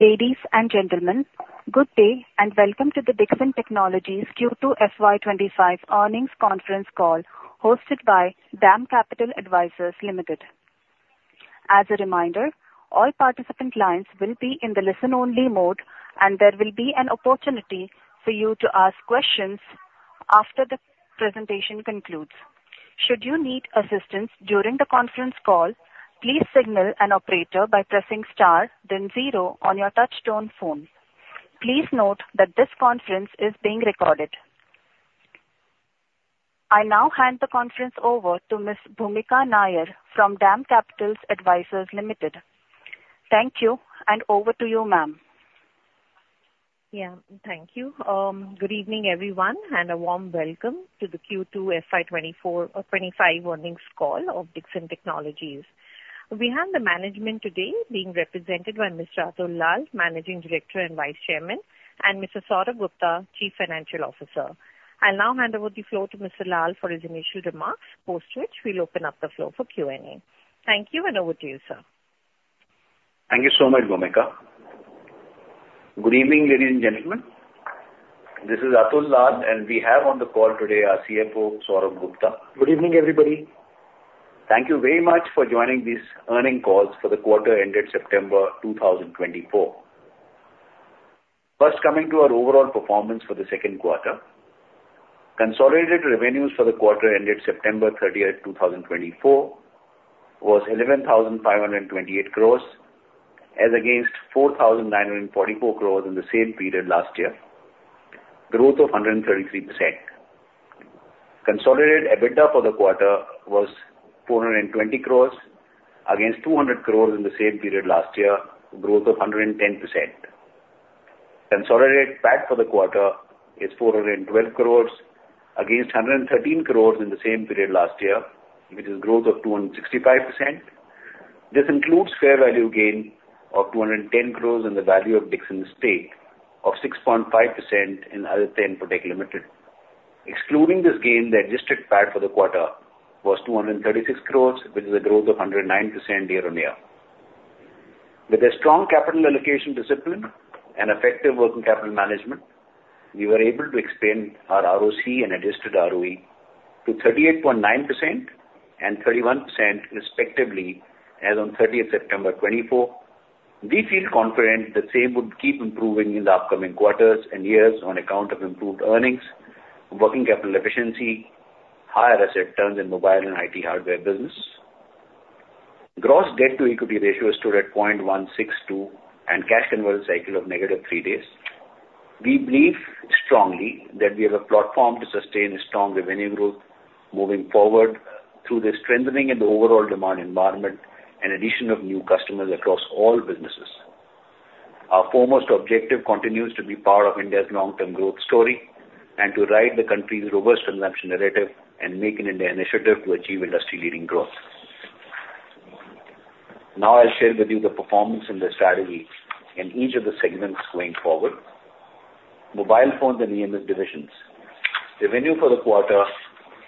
Ladies and gentlemen, good day, and welcome to the Dixon Technologies Q2 FY 2025 earnings conference call, hosted by DAM Capital Advisors Limited. As a reminder, all participant lines will be in the listen-only mode, and there will be an opportunity for you to ask questions after the presentation concludes. Should you need assistance during the conference call, please signal an operator by pressing star, then zero on your touchtone phone. Please note that this conference is being recorded. I now hand the conference over to Ms. Bhoomika Nair from DAM Capital Advisors Limited. Thank you, and over to you, ma'am. Yeah, thank you. Good evening, everyone, and a warm welcome to the Q2 FY 2024-25 earnings call of Dixon Technologies. We have the management today being represented by Mr. Atul Lal, Managing Director and Vice Chairman, and Mr. Saurabh Gupta, Chief Financial Officer. I'll now hand over the floor to Mr. Lal for his initial remarks, post which we'll open up the floor for Q&A. Thank you, and over to you, sir. Thank you so much, Bhoomika. Good evening, ladies and gentlemen. This is Atul Lal, and we have on the call today our CFO, Saurabh Gupta. Good evening, everybody. Thank you very much for joining these earnings call for the quarter ended September two thousand twenty-four. First, coming to our overall performance for the second quarter. Consolidated revenues for the quarter ended September thirtieth, two thousand twenty-four, was 11,528 crores, as against 4,944 crores in the same period last year, growth of 133%. Consolidated EBITDA for the quarter was 420 crores, against 200 crores in the same period last year, growth of 110%. Consolidated PAT for the quarter is 412 crores, against 113 crores in the same period last year, which is growth of 265%. This includes fair value gain of 210 crores in the value of Dixon's stake of 6.5% in Aditya Infotech Limited. Excluding this gain, the adjusted PAT for the quarter was 236 crores, which is a growth of 109% year-on-year. With a strong capital allocation discipline and effective working capital management, we were able to expand our ROC and adjusted ROE to 38.9% and 31% respectively, as on thirtieth September 2024. We feel confident the same would keep improving in the upcoming quarters and years on account of improved earnings, working capital efficiency, higher asset turns in mobile and IT hardware business. Gross debt-to-equity ratio stood at 0.162, and cash conversion cycle of -3 days. We believe strongly that we have a platform to sustain a strong revenue growth moving forward through the strengthening in the overall demand environment and addition of new customers across all businesses. Our foremost objective continues to be part of India's long-term growth story and to ride the country's robust consumption narrative and Make in India initiative to achieve industry-leading growth. Now, I'll share with you the performance and the strategy in each of the segments going forward. Mobile phones and EMS divisions. Revenue for the quarter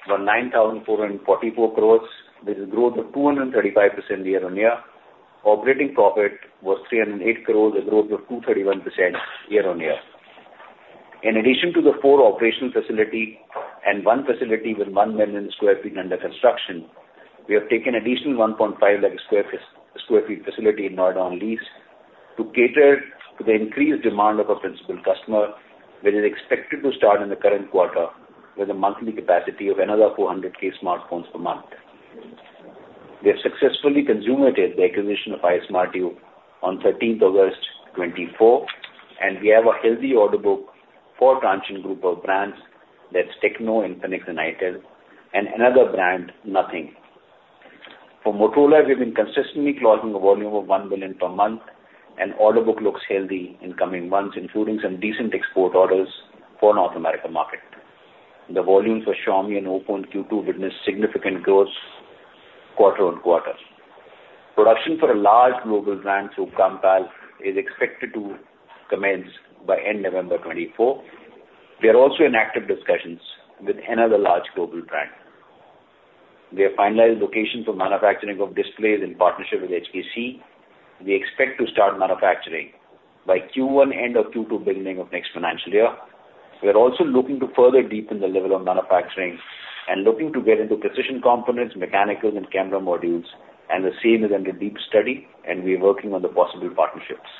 were 9,444 crores, with a growth of 235% year-on-year. Operating profit was 308 crores, a growth of 231% year-on-year. In addition to the four operational facilities and one facility with 1 million sq ft under construction, we have taken additional 1.5 lakh sq ft facility in Noida on lease to cater to the increased demand of our principal customer, which is expected to start in the current quarter with a monthly capacity of another 400K smartphones per month. We have successfully consummated the acquisition of iSmartU on thirteenth August 2024, and we have a healthy order book for Transsion group of brands. That's Tecno, Infinix, and Itel, and another brand, Nothing. For Motorola, we've been consistently closing a volume of 1 million per month, and order book looks healthy in coming months, including some decent export orders for North America market. The volumes for Xiaomi and Oppo in Q2 witnessed significant growth, quarter on quarter. Production for a large global brand, through Compal, is expected to commence by end November 2024. We are also in active discussions with another large global brand. We have finalized location for manufacturing of displays in partnership with HKC. We expect to start manufacturing by Q1, end of Q2, beginning of next financial year. We are also looking to further deepen the level of manufacturing and looking to get into precision components, mechanical and camera modules, and the same is under deep study, and we are working on the possible partnerships.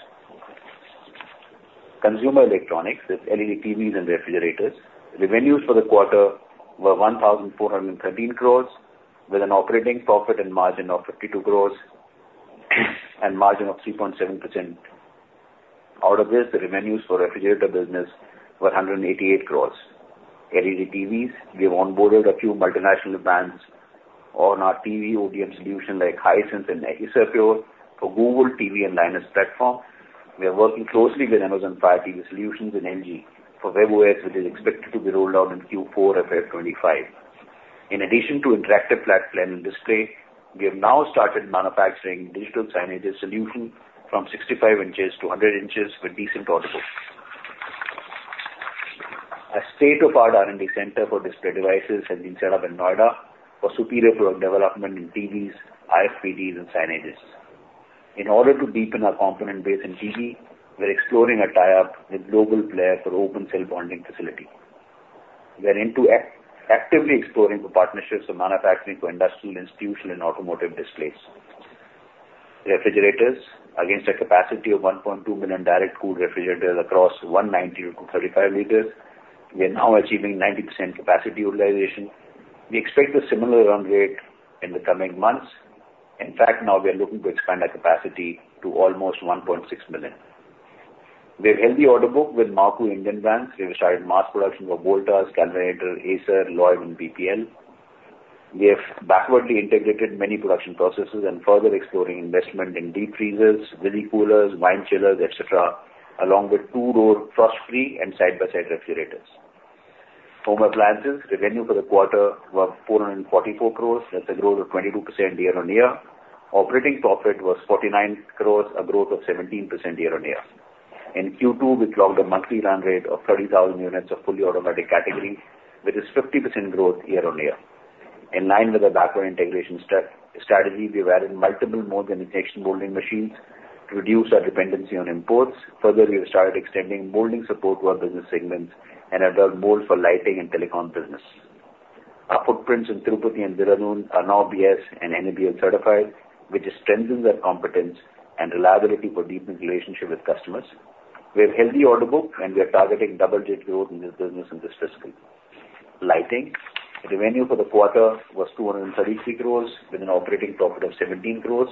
Consumer electronics, that's LED TVs and refrigerators. Revenues for the quarter were 1,413 crores, with an operating profit and margin of 52 crores and margin of 3.7%. Out of this, the revenues for refrigerator business were 188 crores. LED TVs, we have onboarded a few multinational brands on our TV ODM solution, like Hisense and Hisense, for Google TV and Linux platform. We are working closely with Amazon Fire TV solutions and LG for WebOS, which is expected to be rolled out in Q4 of FY 2025. In addition to interactive flat panel display, we have now started manufacturing digital signages solution from 65 inches to 100 inches with decent order book. State-of-the-art R&D center for display devices has been set up in Noida for superior product development in TVs, IFPDs and signages. In order to deepen our component base in TV, we're exploring a tie-up with global player for open cell bonding facility. We are actively exploring for partnerships for manufacturing, for industrial, institutional and automotive displays. Refrigerators, against a capacity of 1.2 million direct cooled refrigerators across 190- to 350-liters, we are now achieving 90% capacity utilization. We expect a similar run rate in the coming months. In fact, now we are looking to expand our capacity to almost 1.6 million. We have healthy order book with major Indian brands. We have started mass production for Voltas, Kelvinator, Acer, Lloyd and BPL. We have backwardly integrated many production processes and further exploring investment in deep freezers, mini coolers, wine chillers, et cetera, along with two-door frost free and side-by-side refrigerators. Home appliances, revenue for the quarter was 444 crores, that's a growth of 22% year-on-year. Operating profit was 49 crores, a growth of 17% year-on-year. In Q2, we clocked a monthly run rate of 30,000 units of fully automatic category, which is 50% growth year-on-year. In line with our backward integration strategy, we've added multiple mold and injection molding machines to reduce our dependency on imports. Further, we have started extending molding support to our business segments and have done mold for lighting and telecom business. Our footprints in Tirupati and Dehradun are now BIS and NABL certified, which strengthens our competence and reliability for deepening relationship with customers. We have healthy order book, and we are targeting double-digit growth in this business in this fiscal. Lighting revenue for the quarter was 233 crores, with an operating profit of 17 crores.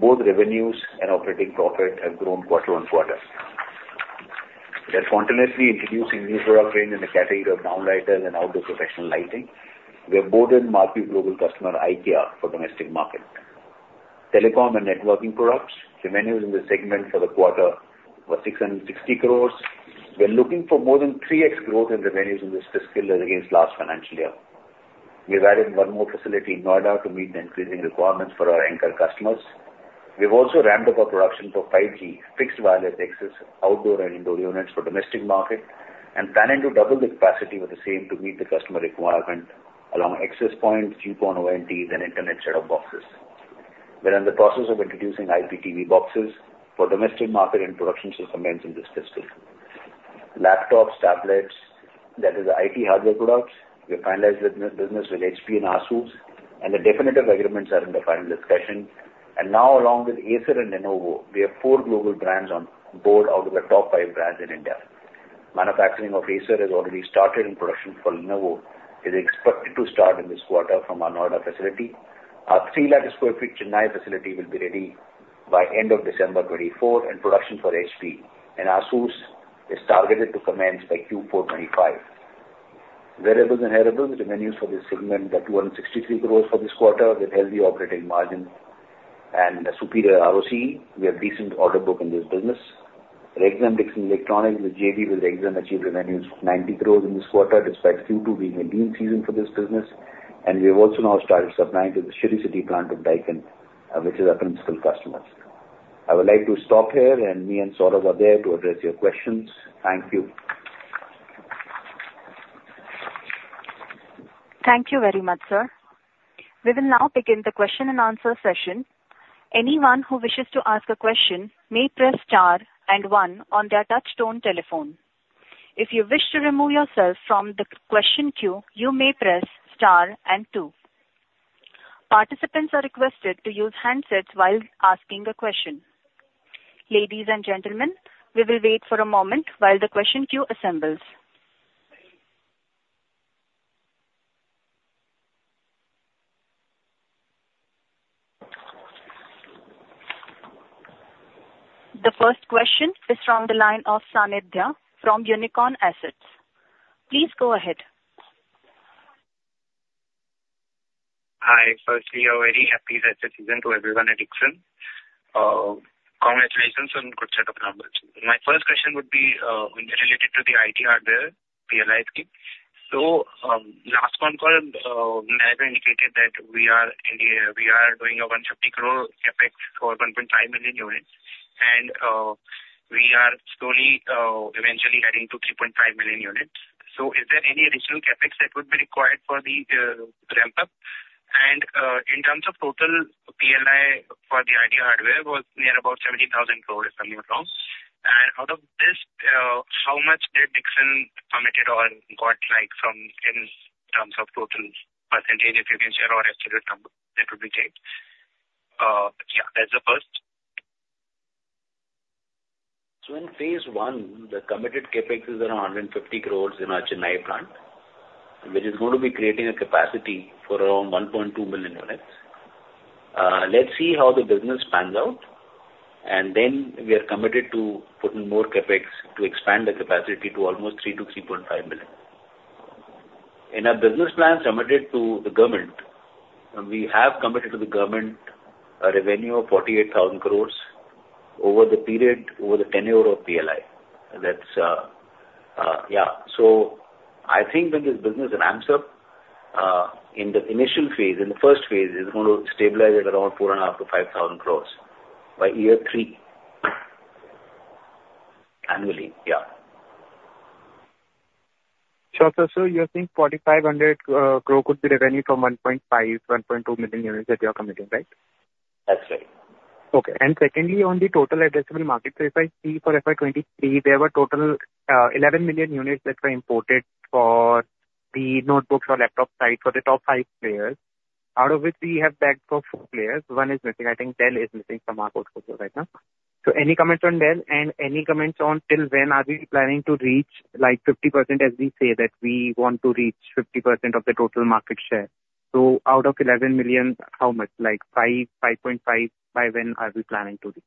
Both revenues and operating profit have grown quarter on quarter. We are spontaneously introducing new product range in the category of downlighters and outdoor professional lighting. We have boarded marquee global customer, IKEA, for domestic market. Telecom and networking products, revenues in this segment for the quarter were 660 crores. We are looking for more than 3X growth in revenues in this fiscal as against last financial year. We have added one more facility in Noida to meet the increasing requirements for our anchor customers. We have also ramped up our production for 5G fixed wireless access, outdoor and indoor units for domestic market, and planning to double the capacity for the same to meet the customer requirement along access points, GPON ONTs and internet set-top boxes. We are in the process of introducing IPTV boxes for domestic market, and production should commence in this fiscal. Laptops, tablets, that is the IT hardware products, we have finalized the business with HP and ASUS, and the definitive agreements are in the final discussion, and now along with Acer and Lenovo, we have four global brands on board out of the top five brands in India. Manufacturing of Acer has already started, and production for Lenovo is expected to start in this quarter from our Noida facility. Our three lakh sq ft Chennai facility will be ready by end of December 2024, and production for HP and ASUS is targeted to commence by Q4 2025. Wearables and hearables, revenues for this segment were 263 crore for this quarter, with healthy operating margin and a superior ROCE. We have decent order book in this business. Rexxam Dixon Electronics JV with Rexxam achieved revenues 90 crores in this quarter, despite Q2 being a lean season for this business. We have also now started supplying to the Sri City plant of Daikin, which is our principal customers. I would like to stop here, and me and Saurabh are there to address your questions. Thank you. Thank you very much, sir. We will now begin the question-and-answer session. Anyone who wishes to ask a question may press star and one on their touchtone telephone. If you wish to remove yourself from the question queue, you may press *2. Participants are requested to use handsets while asking a question. Ladies and gentlemen, we will wait for a moment while the question queue assembles. The first question is from the line of Sanidhya from Unicorn Assets. Please go ahead. Hi. Firstly, a very happy festive season to everyone at Dixon. Congratulations on good set of numbers. My first question would be related to the IT hardware PLI scheme. So, last conference, you might have indicated that we are doing a 150 crore CapEx for 1.5 million units, and we are slowly eventually adding to 3.5 million units. So, is there any additional CapEx that would be required for the ramp up? And, in terms of total PLI for the IT hardware was near about 70,000 crores, if I'm not wrong. And out of this, how much did Dixon committed or got, like, from in terms of total percentage, if you can share our estimated number, that would be great. Yeah, that's the first. So in phase one, the committed CapEx is around 150 crores in our Chennai plant, which is going to be creating a capacity for around 1.2 million units. Let's see how the business pans out, and then we are committed to putting more CapEx to expand the capacity to almost 3-3.5 million. In our business plans submitted to the government, we have committed to the government a revenue of 48,000 crores over the period, over the tenure of PLI. That's, yeah. So I think when this business ramps up, in the initial phase, in the first phase, it's going to stabilize at around 4.5-5,000 crores by year three annually, yeah. Sure, so, so you're saying 4,500 crore could be revenue from 1.5, 1.2 million units that you're committing, right? That's right. Okay. And secondly, on the total addressable market, so if I see for FY 2023, there were total 11 million units that were imported for the notebooks or laptop side for the top five players, out of which we have backed up four players. One is missing. I think Dell is missing from our portfolio right now. So any comments on Dell and any comments on till when are we planning to reach, like, 50%, as we say that we want to reach 50% of the total market share? So out of 11 million, how much? Like 5, 5.5, by when are we planning to reach?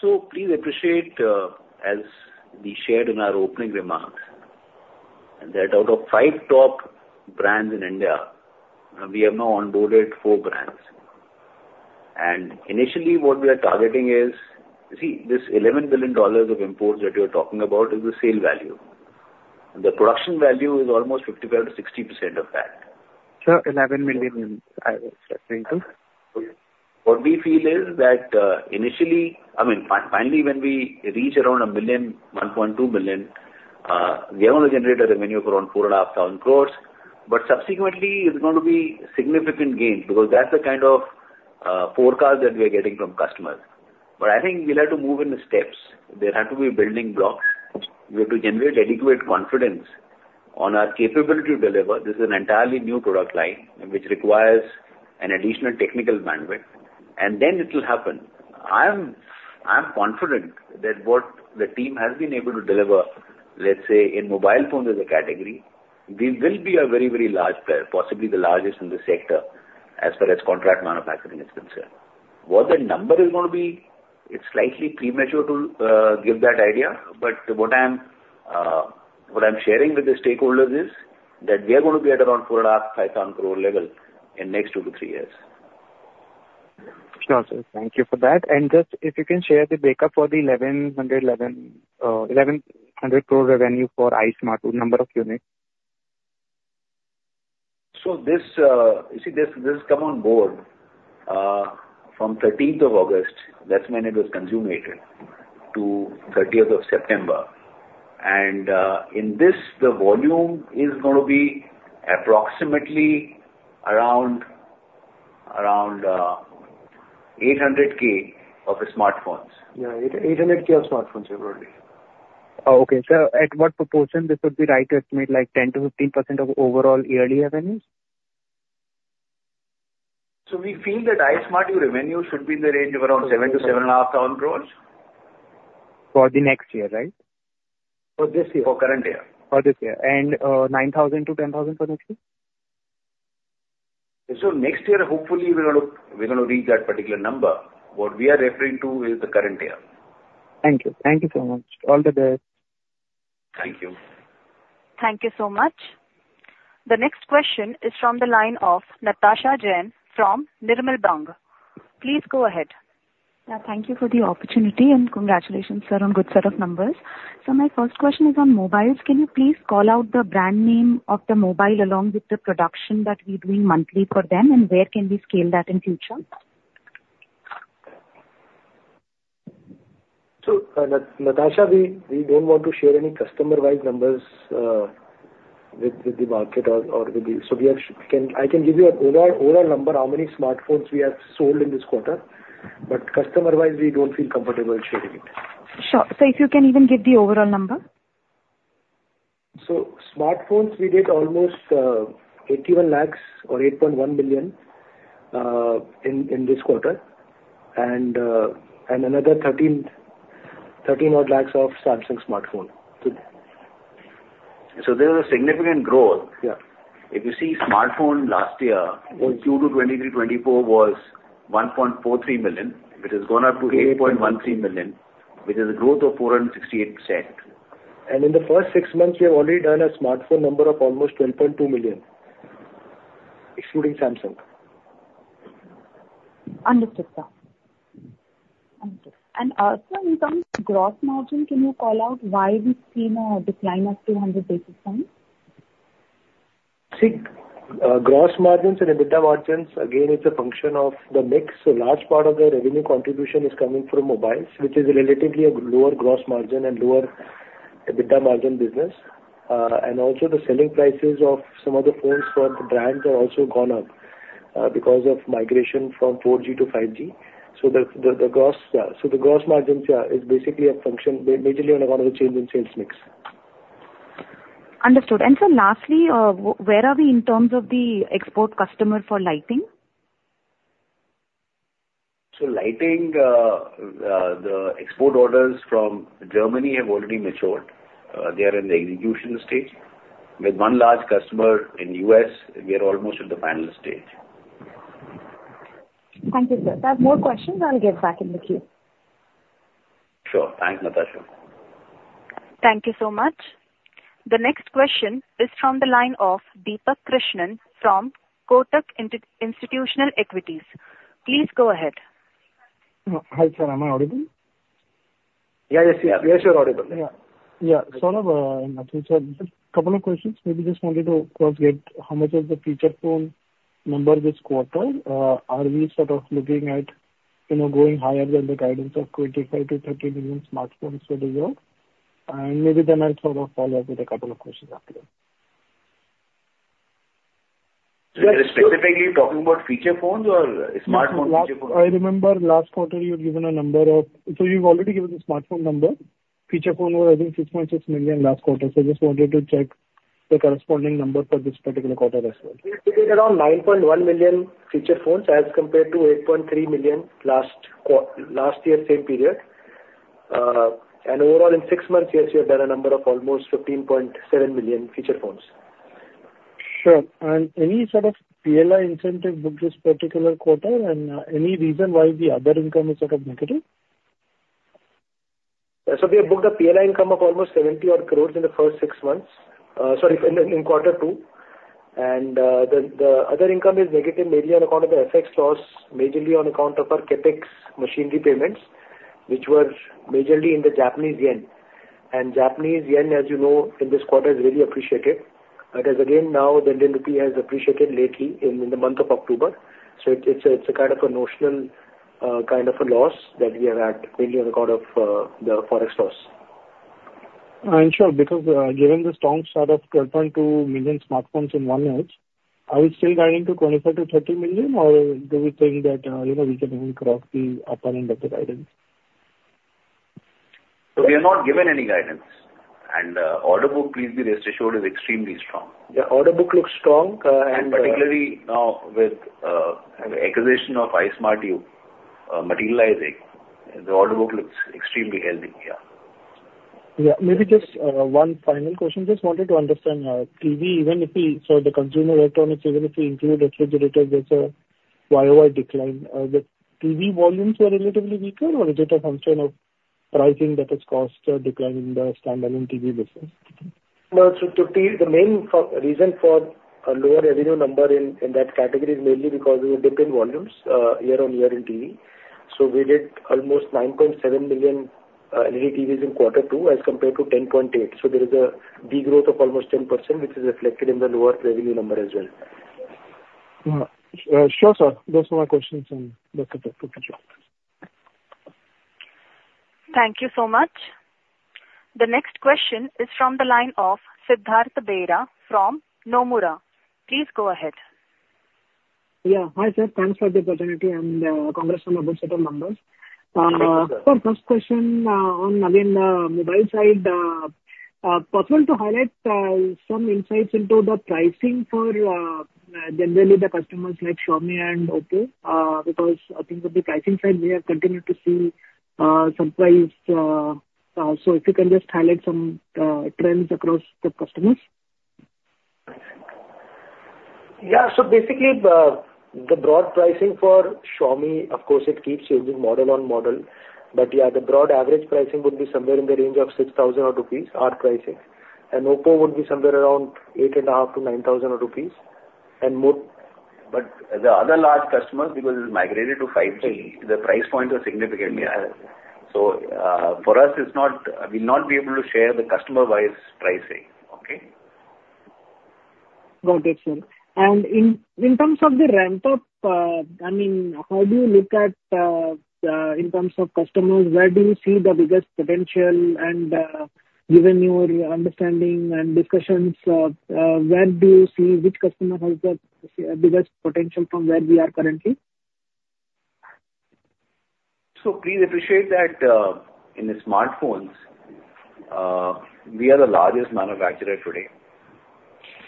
So please appreciate, as we shared in our opening remarks, that out of five top brands in India, we have now onboarded four brands. And initially, what we are targeting is... You see, these $11 billion imports that you're talking about is the sale value. The production value is almost 55%-60% of that. Sir, 11 million, I was referring to. What we feel is that, initially, I mean, finally, when we reach around a million, 1.2 million, we are going to generate a revenue of around 4,500 crores, but subsequently, it's going to be significant gains, because that's the kind of forecast that we are getting from customers. But I think we'll have to move in the steps. There have to be building blocks. We have to generate adequate confidence on our capability to deliver. This is an entirely new product line, which requires an additional technical bandwidth, and then it will happen. I'm confident that what the team has been able to deliver, let's say, in mobile phone as a category, we will be a very, very large player, possibly the largest in the sector as far as contract manufacturing is concerned. What the number is going to be, it's slightly premature to give that idea, but what I'm sharing with the stakeholders is that we are going to be at around 4,500-5,000 crore level in next two to three years. Sure, sir. Thank you for that. And just if you can share the breakup for the 1,111 crore revenue for iSmartu, number of units? This, you see, this come on board from thirteenth of August, that's when it was consummated, to thirtieth of September. In this, the volume is going to be approximately around 800 K of the smartphones. Yeah, 800,000 smartphones already. Oh, okay. So at what proportion this would be right to estimate, like, 10%-15% of overall yearly revenues? We feel that iSmartu revenue should be in the range of around 7,000-7,500 crores. For the next year, right? For this year, for current year. For this year and 9,000-10,000 for next year? So next year, hopefully, we're gonna reach that particular number. What we are referring to is the current year. Thank you. Thank you so much. All the best. Thank you. Thank you so much. The next question is from the line of Natasha Jain from Nirmal Bang. Please go ahead. Yeah, thank you for the opportunity, and congratulations, sir, on good set of numbers. So, my first question is on mobiles. Can you please call out the brand name of the mobile along with the production that we're doing monthly for them, and where can we scale that in future? Natasha, we don't want to share any customer-wise numbers with the market or with the... I can give you an overall number, how many smartphones we have sold in this quarter, but customer-wise, we don't feel comfortable sharing it. Sure. So, if you can even give the overall number? Smartphones, we did almost 81 lakhs or 8.1 million in this quarter, and another 13 odd lakhs of Samsung smartphone. There is a significant growth. Yeah. If you see smartphone last year, Q2 2023-2024 was 1.43 million, which has gone up to 8.13 million, which is a growth of 468%. In the first six months, we have already done a smartphone number of almost 10.2 million, excluding Samsung. Understood, sir. Understood. And, sir, in terms of gross margin, can you call out why we've seen a decline of 200 basis points? See, gross margins and EBITDA margins, again, it's a function of the mix. A large part of the revenue contribution is coming from mobiles, which is relatively a lower gross margin and lower EBITDA margin business. And also, the selling prices of some of the phones from the brands have also gone up, because of migration from 4G to 5G. So, the gross margins, yeah, is basically a function majorly on account of the change in sales mix. Understood. And sir, lastly, where are we in terms of the export customer for lighting? So, lighting, the export orders from Germany have already matured. They are in the execution stage. With one large customer in U.S., we are almost at the final stage. Thank you, sir. If I have more questions, I'll get back in the queue. Sure. Thanks, Natasha. Thank you so much. The next question is from the line of Deepak Krishnan from Kotak Institutional Equities. Please go ahead. Hi, sir. Am I audible?... Yeah, yes, you're audible. Yeah. Yeah, so, nothing, sir, just couple of questions. Maybe just wanted to cross-check how much of the feature phone number this quarter are we sort of looking at, you know, going higher than the guidance of 25-30 million smartphones for the year? And maybe then I'll sort of follow up with a couple of questions after that. Specifically talking about feature phones or smartphone, feature phone? I remember last quarter you had given a number. So you've already given the smartphone number. Feature phone was, I think, 6.6 million last quarter. So I just wanted to check the corresponding number for this particular quarter as well. We did around nine point one million feature phones as compared to eight point three million last year, same period, and overall, in six months, yes, we have done a number of almost fifteen point seven million feature phones. Sure. And any sort of PLI incentive booked this particular quarter, and any reason why the other income is sort of negative? So we have booked a PLI income of almost 70-odd crores in the first six months. Sorry, in quarter two, and the other income is negative, mainly on account of the FX loss, majorly on account of our CapEx machinery payments, which were majorly in the Japanese yen. Japanese yen, as you know, in this quarter, has really appreciated. But again, now, the Indian rupee has appreciated lately in the month of October. So, it is a kind of a notional kind of a loss that we have had mainly on account of the Forex loss. Sure, because, given the strong start of 12.2 million smartphones in one month, are we still guiding to 25-30 million, or do we think that, you know, we can even cross the upper end of the guidance? So, we have not given any guidance, and order book, please be rest assured, is extremely strong. Yeah, order book looks strong, and Particularly now with acquisition of iSmartu materializing, the order book looks extremely healthy. Yeah. Yeah. Maybe just, one final question. Just wanted to understand, TV, even if we, so the consumer electronics, even if we include refrigerators, there's a YY decline. The TV volumes are relatively weaker, or is it a function of pricing that has caused a decline in the standalone TV business? The main reason for a lower revenue number in that category is mainly because of a dip in volumes year on year in TV, so we did almost 9.7 million LED TVs in quarter two, as compared to 10.8. So there is a degrowth of almost 10%, which is reflected in the lower revenue number as well. Sure, sir. Those are my questions, and best of luck for future. Thank you so much. The next question is from the line of Siddharth Bera from Nomura. Please go ahead. Yeah. Hi, sir, thanks for the opportunity, and congrats on a good set of numbers. Thank you, sir. So, first question, on again, mobile side, possible to highlight some insights into the pricing for generally the customers like Xiaomi and Oppo? Because I think on the pricing side, we have continued to see surprise. So, if you can just highlight some trends across the customers. Yeah. So basically, the broad pricing for Xiaomi, of course, it keeps changing model on model. But yeah, the broad average pricing would be somewhere in the range of 6,000 odd rupees, odd pricing. And Oppo would be somewhere around 8.5-9,000 odd rupees, and most- But the other large customers, because it's migrated to 5G- The price points are significantly higher. So, for us, it's not... We'll not be able to share the customer-wise pricing. Okay? Got it, sir. And in terms of the ramp up, I mean, how do you look at in terms of customers, where do you see the biggest potential? And given your understanding and discussions, where do you see which customer has the biggest potential from where we are currently? So please appreciate that, in the smartphones, we are the largest manufacturer today,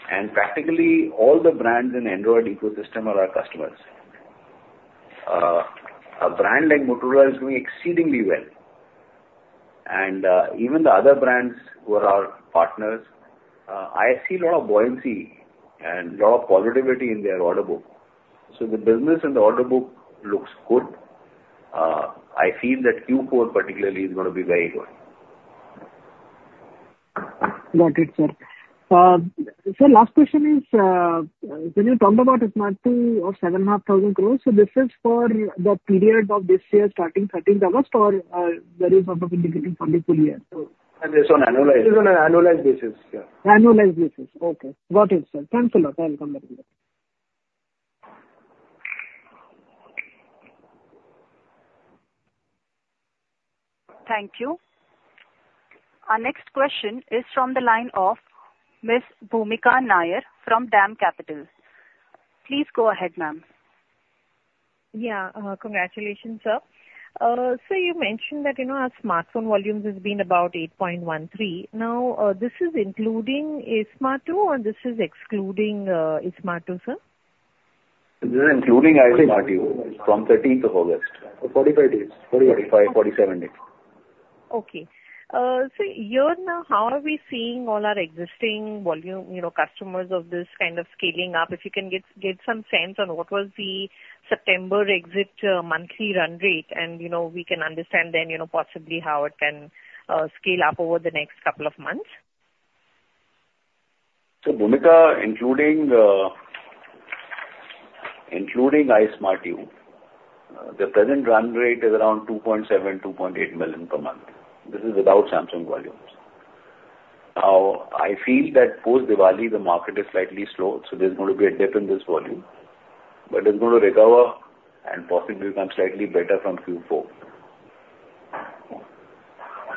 and practically all the brands in Android ecosystem are our customers. A brand like Motorola is doing exceedingly well, and even the other brands who are our partners, I see a lot of buoyancy and lot of positivity in their order book. So, the business and the order book look good. I feel that Q4 particularly is gonna be very good. Got it, sir. So last question is, when you talked about iSmartu of 7,500 crores, so this is for the period of this year, starting thirteenth August, or, there is possibility for the full year? This on annualized. This is on an annualized basis, yeah. Annualized basis. Okay, got it, sir. Thanks a lot. I'll come back again. Thank you. Our next question is from the line of Ms. Bhumika Nair from DAM Capital. Please go ahead, ma'am. Yeah. Congratulations, sir. So you mentioned that, you know, our smartphone volumes has been about eight point one three. Now, this is including iSmartu or this is excluding iSmartu, sir? This is including iSmartu, from thirteenth of August. For 45 days. 45, 47 days. Okay. So yeah now, how are we seeing all our existing volume, you know, customers of this kind of scaling up? If you can give some sense on what was the September exit monthly run rate, and, you know, we can understand then, you know, possibly how it can scale up over the next couple of months. ...So, Bhoomika, including iSmartU, the present run rate is around 2.7, 2.8 million per month. This is without Samsung volumes. Now, I feel that post-Diwali, the market is slightly slow, so there's going to be a dip in this volume, but it's going to recover and possibly become slightly better from Q4.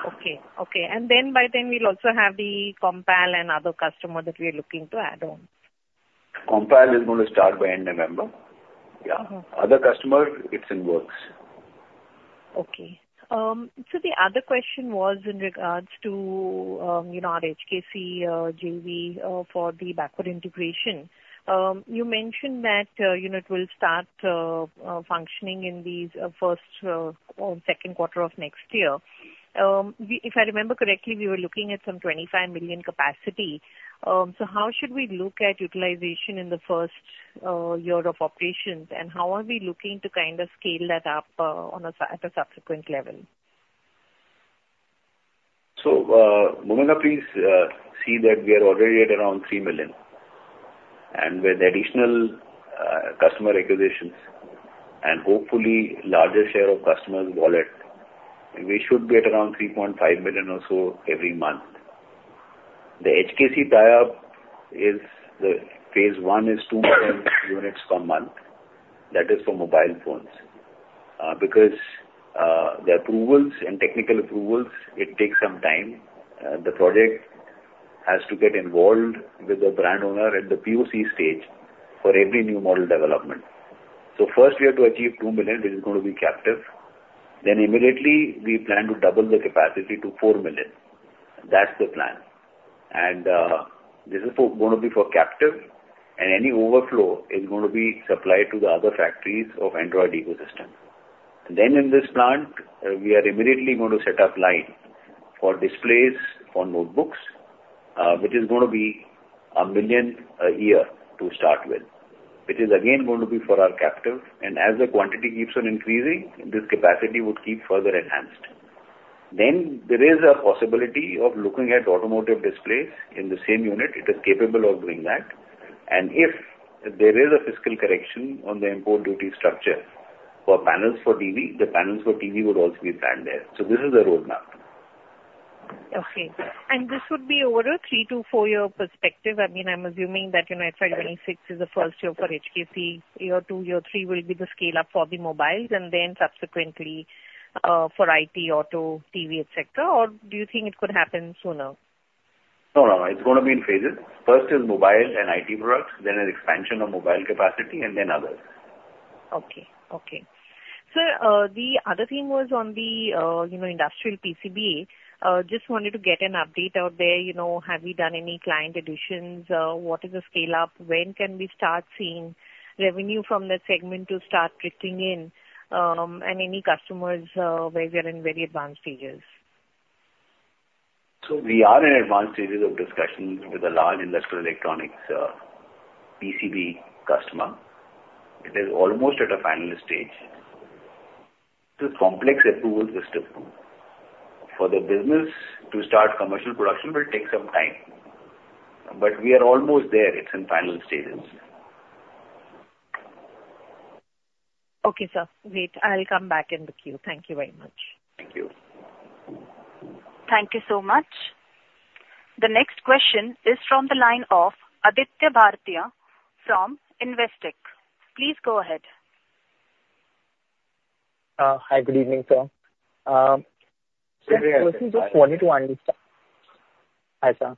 Okay. Okay, and then by then we'll also have the Compal and other customer that we are looking to add on. Compal is going to start by end November. Yeah. Other customer, it's in the works. Okay. So, the other question was in regard to, you know, our HKC JV for the backward integration. You mentioned that unit will start functioning in these first, or second quarter of next year. If I remember correctly, we were looking at some 25 million capacities. So how should we look at utilization in the first year of operations? And how are we looking to kind of scale that up, at a subsequent level? So, Bhoomika, please, see that we are already at around three million. And with additional, customer acquisitions and hopefully larger share of customers' wallet, we should be at around three point five million or so every month. The HKC tie-up is, the phase one is two million units per month. That is for mobile phones. Because, the approvals and technical approvals, it takes some time. The project has to get involved with the brand owner at the POC stage for every new model development. So, first, we have to achieve two million, this is going to be captive. Then immediately, we plan to double the capacity to four million. That's the plan. And, this is for, going to be for captive, and any overflow is going to be supplied to the other factories of Android ecosystem. Then in this plant, we are immediately going to set up line for displays on notebooks, which is going to be a million a year to start with. Which is again going to be for our captive, and as the quantity keeps on increasing, this capacity would keep further enhanced. Then there is a possibility of looking at automotive displays in the same unit. It is capable of doing that. And if there is a fiscal correction on the import duty structure for panels for TV, the panels for TV would also be planned there. So this is the roadmap. Okay. And this would be over a three to four-year perspective. I mean, I'm assuming that, you know, FY 2026 is the first year for HKC. Year two, year three will be the scale-up for the mobiles and then subsequently, for IT, auto, TV, et cetera. Or do you think it could happen sooner? No, no, it's going to be in phases. First is mobile and IT products, then an expansion of mobile capacity, and then others. Okay. Sir, the other theme was on the, you know, industrial PCBA. Just wanted to get an update out there, you know, have we done any client additions? What is the scale up? When can we start seeing revenue from that segment to start drifting in, and any customers where we are in very advanced stages? We are in advanced stages of discussions with a large industrial electronics PCB customer. It is almost at a final stage. It's a complex approval system. For the business to start commercial production will take some time, but we are almost there. It's in final stages. Okay, sir. Great. I'll come back in the queue. Thank you very much. Thank you. Thank you so much. The next question is from the line of Aditya Bhartia from Investec. Please go ahead. Hi, good evening, sir. Good evening. Hi. Just wanted to understand. Hi, sir.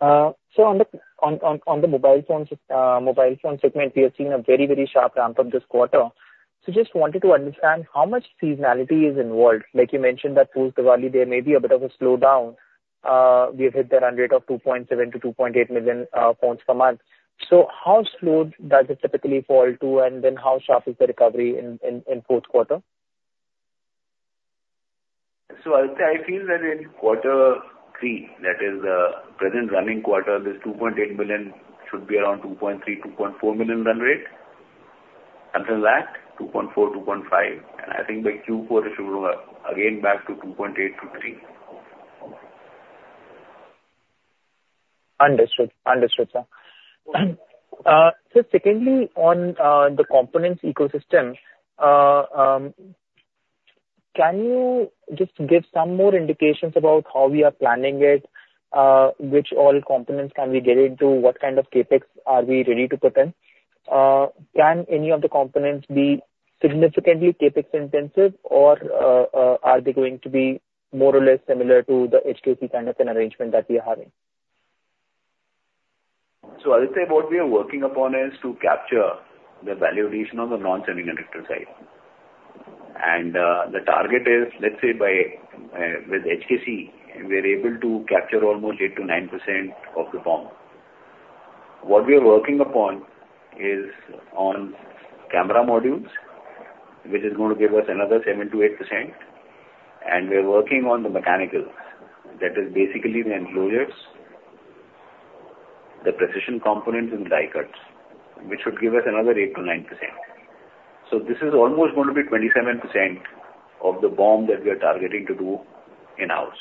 So, on the mobile phones, mobile phone segment, we have seen a very, very sharp ramp up this quarter. So just wanted to understand how much seasonality is involved. Like you mentioned that post-Diwali, there may be a bit of a slowdown. We have hit the run rate of 2.7 to 2.8 million phones per month. So how slow does it typically fall to, and then how sharp is the recovery in fourth quarter? Aditya, I feel that in quarter three, that is, present running quarter, this 2.8 million should be around 2.3-2.4 million run rate. After that, 2.4-2.5. And I think by Q4, it should go up again back to 2.8-3. Understood. Understood, sir. So secondly, on the component's ecosystem, can you just give some more indications about how we are planning it? Which all components can we get into? What kind of CapEx are we ready to put in? Can any of the components be significantly CapEx intensive, or are they going to be more or less similar to the HKC kind of an arrangement that we are having? Aditya, what we are working upon is to capture the value addition on the non-semiconductor side. And the target is, let's say by with HKC, we're able to capture almost 8-9% of the BOM. What we are working upon is on camera modules, which is going to give us another 7-8%, and we're working on the mechanical. That is basically the enclosures, the precision components and die cuts, which should give us another 8-9%. So, this is almost going to be 27% of the BOM that we are targeting to do in-house,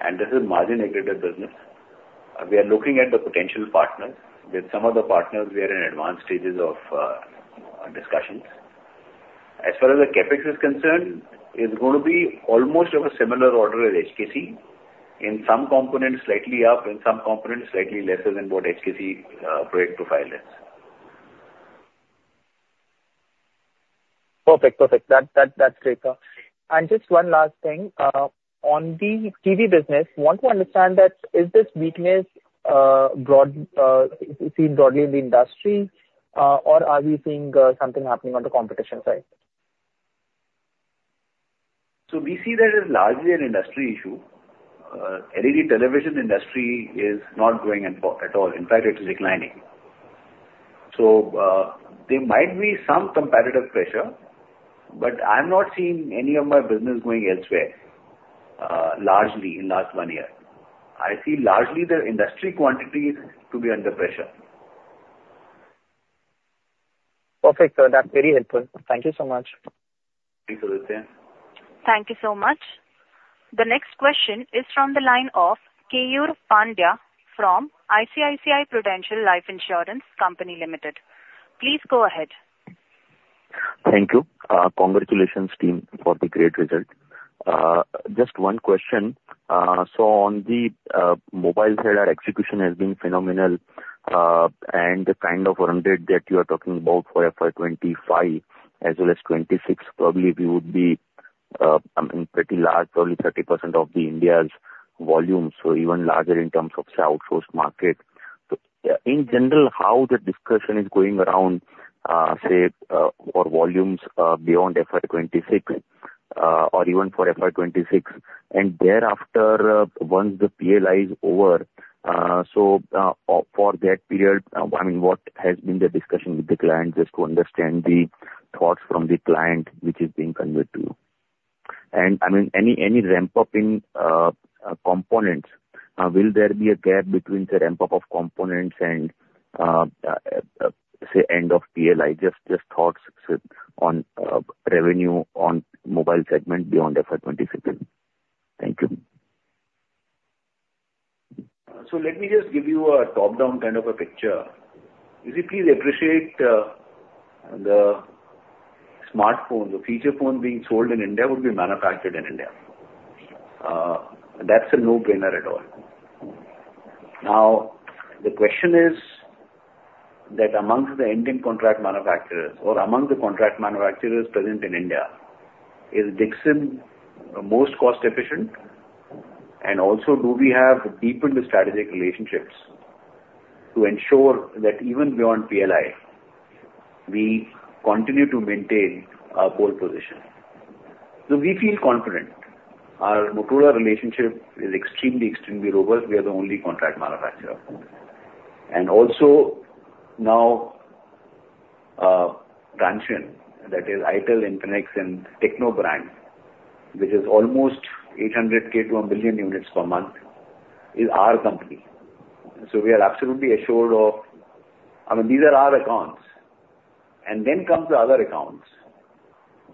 and this is margin-accretive business. We are looking at the potential partners. With some of the partners, we are in advanced stages of discussions. As far as the CapEx is concerned, it's going to be almost of a similar order as HKC. In some components, slightly up, in some components, slightly lesser than what HKC project profile is. Perfect. Perfect. That's great. And just one last thing. On the TV business, want to understand that. Is this weakness broad, seen broadly in the industry, or are we seeing something happening on the competition side? So we see that as largely an industry issue. LED television industry is not growing at all. In fact, it is declining. So, there might be some competitive pressure, but I'm not seeing any of my business going elsewhere, largely in last one year. I see largely the industry quantities to be under pressure. Perfect, sir. That's very helpful. Thank you so much. Thanks, Aditya. Thank you so much. The next question is from the line of Keyur Pandya from ICICI Prudential Life Insurance Company Limited. Please go ahead. Thank you. Congratulations, team, for the great result. Just one question. So on the mobile side, our execution has been phenomenal, and the kind of growth that you are talking about for FY 2025 as well as 2026, probably we would be, I mean, pretty large, probably 30% of India's volume, so even larger in terms of outsourced market. So in general, how the discussion is going around, say, for volumes, beyond FY 2026, or even for FY 2026, and thereafter, once the PLI is over, so, for that period, I mean, what has been the discussion with the client? Just to understand the thoughts from the client, which is being conveyed to you. I mean, any ramping up of components. Will there be a gap between the ramp-up of components and, say, end of PLI? Just thoughts on revenue on mobile segment beyond FY 2026. Thank you. So let me just give you a top-down kind of a picture. You see, please appreciate, the smartphone, the feature phone being sold in India would be manufactured in India. That's a no-brainer at all. Now, the question is that amongst the Indian contract manufacturers or among the contract manufacturers present in India, is Dixon most cost efficient? And also, do we have deepened strategic relationships to ensure that even beyond PLI, we continue to maintain our pole position? So, we feel confident. Our Motorola relationship is extremely, extremely robust. We are the only contract manufacturer. And also, now, Transsion, that is Itel, Infinix, and Tecno brand, which is almost eight hundred K to one billion units per month, is our company. So, we are absolutely assured of... I mean, these are our accounts. And then comes the other accounts.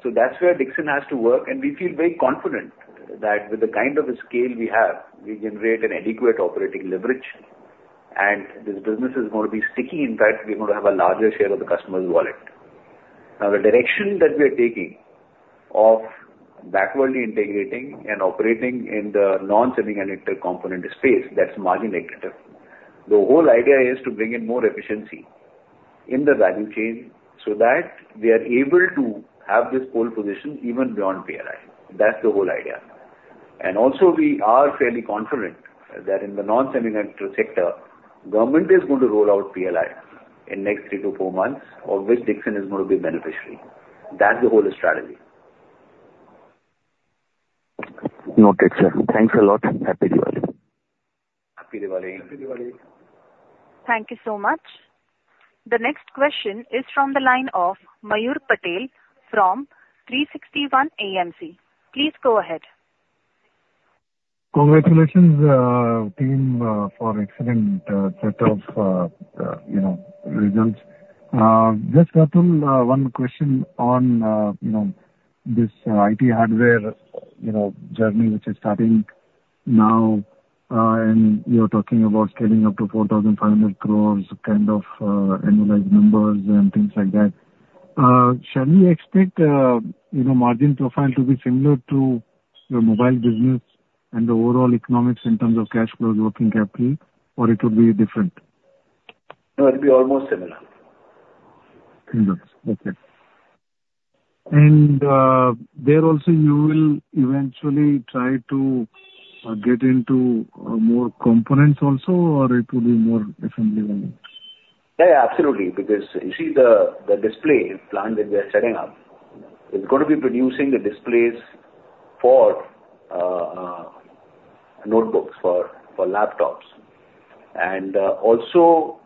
So that's where Dixon has to work, and we feel very confident that with the kind of scale we have, we generate an adequate operating leverage, and this business is going to be sticky. In fact, we're going to have a larger share of the customer's wallet. Now, the direction that we are taking of backwardly integrating and operating in the non-semiconductor component space, that's margin negative. The whole idea is to bring in more efficiency in the value chain so that we are able to have this pole position even beyond PLI. That's the whole idea. And also, we are fairly confident that in the non-semiconductor sector, government is going to roll out PLI in next three to four months, of which Dixon is going to be beneficiary. That's the whole strategy. Noted, sir. Thanks a lot. Happy Diwali! Happy Diwali. Happy Diwali. Thank you so much. The next question is from the line of Mayur Patel from 361 AMC. Please go ahead. Congratulations, team, for excellent set of, you know, results. Just, Atul, one question on, you know, this IT hardware, you know, journey, which is starting now, and you're talking about scaling up to 4,500 crores, kind of, annualized numbers and things like that. Shall we expect, you know, margin profile to be similar to your mobile business and the overall economics in terms of cash flows, working capital, or it will be different? No, it'll be almost similar. Similar. Okay. And there also, you will eventually try to get into more components also, or it will be more differently than that? Yeah, yeah, absolutely. Because you see the display plant that we are setting up, it's going to be producing the displays for notebooks, for laptops. And also,